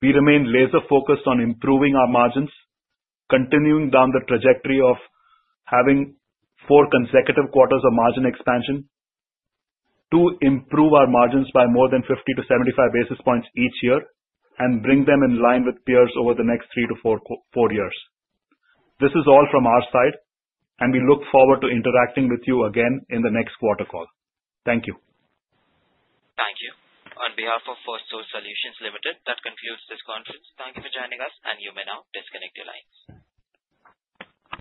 We remain laser focused on improving our margins, continuing down the trajectory of having. Four consecutive quarters of margin expansion too. Improve our margins by more than 50%. To 75 bps each year and bring them in line with peers over the next three to four years. This is all from our side. We look forward to interacting with you. Again in the next quarter. Call. Thank you. Thank you. On behalf of Firstsource Solutions Limited, that concludes this conference. Thank you for joining us. You may now disconnect your lines.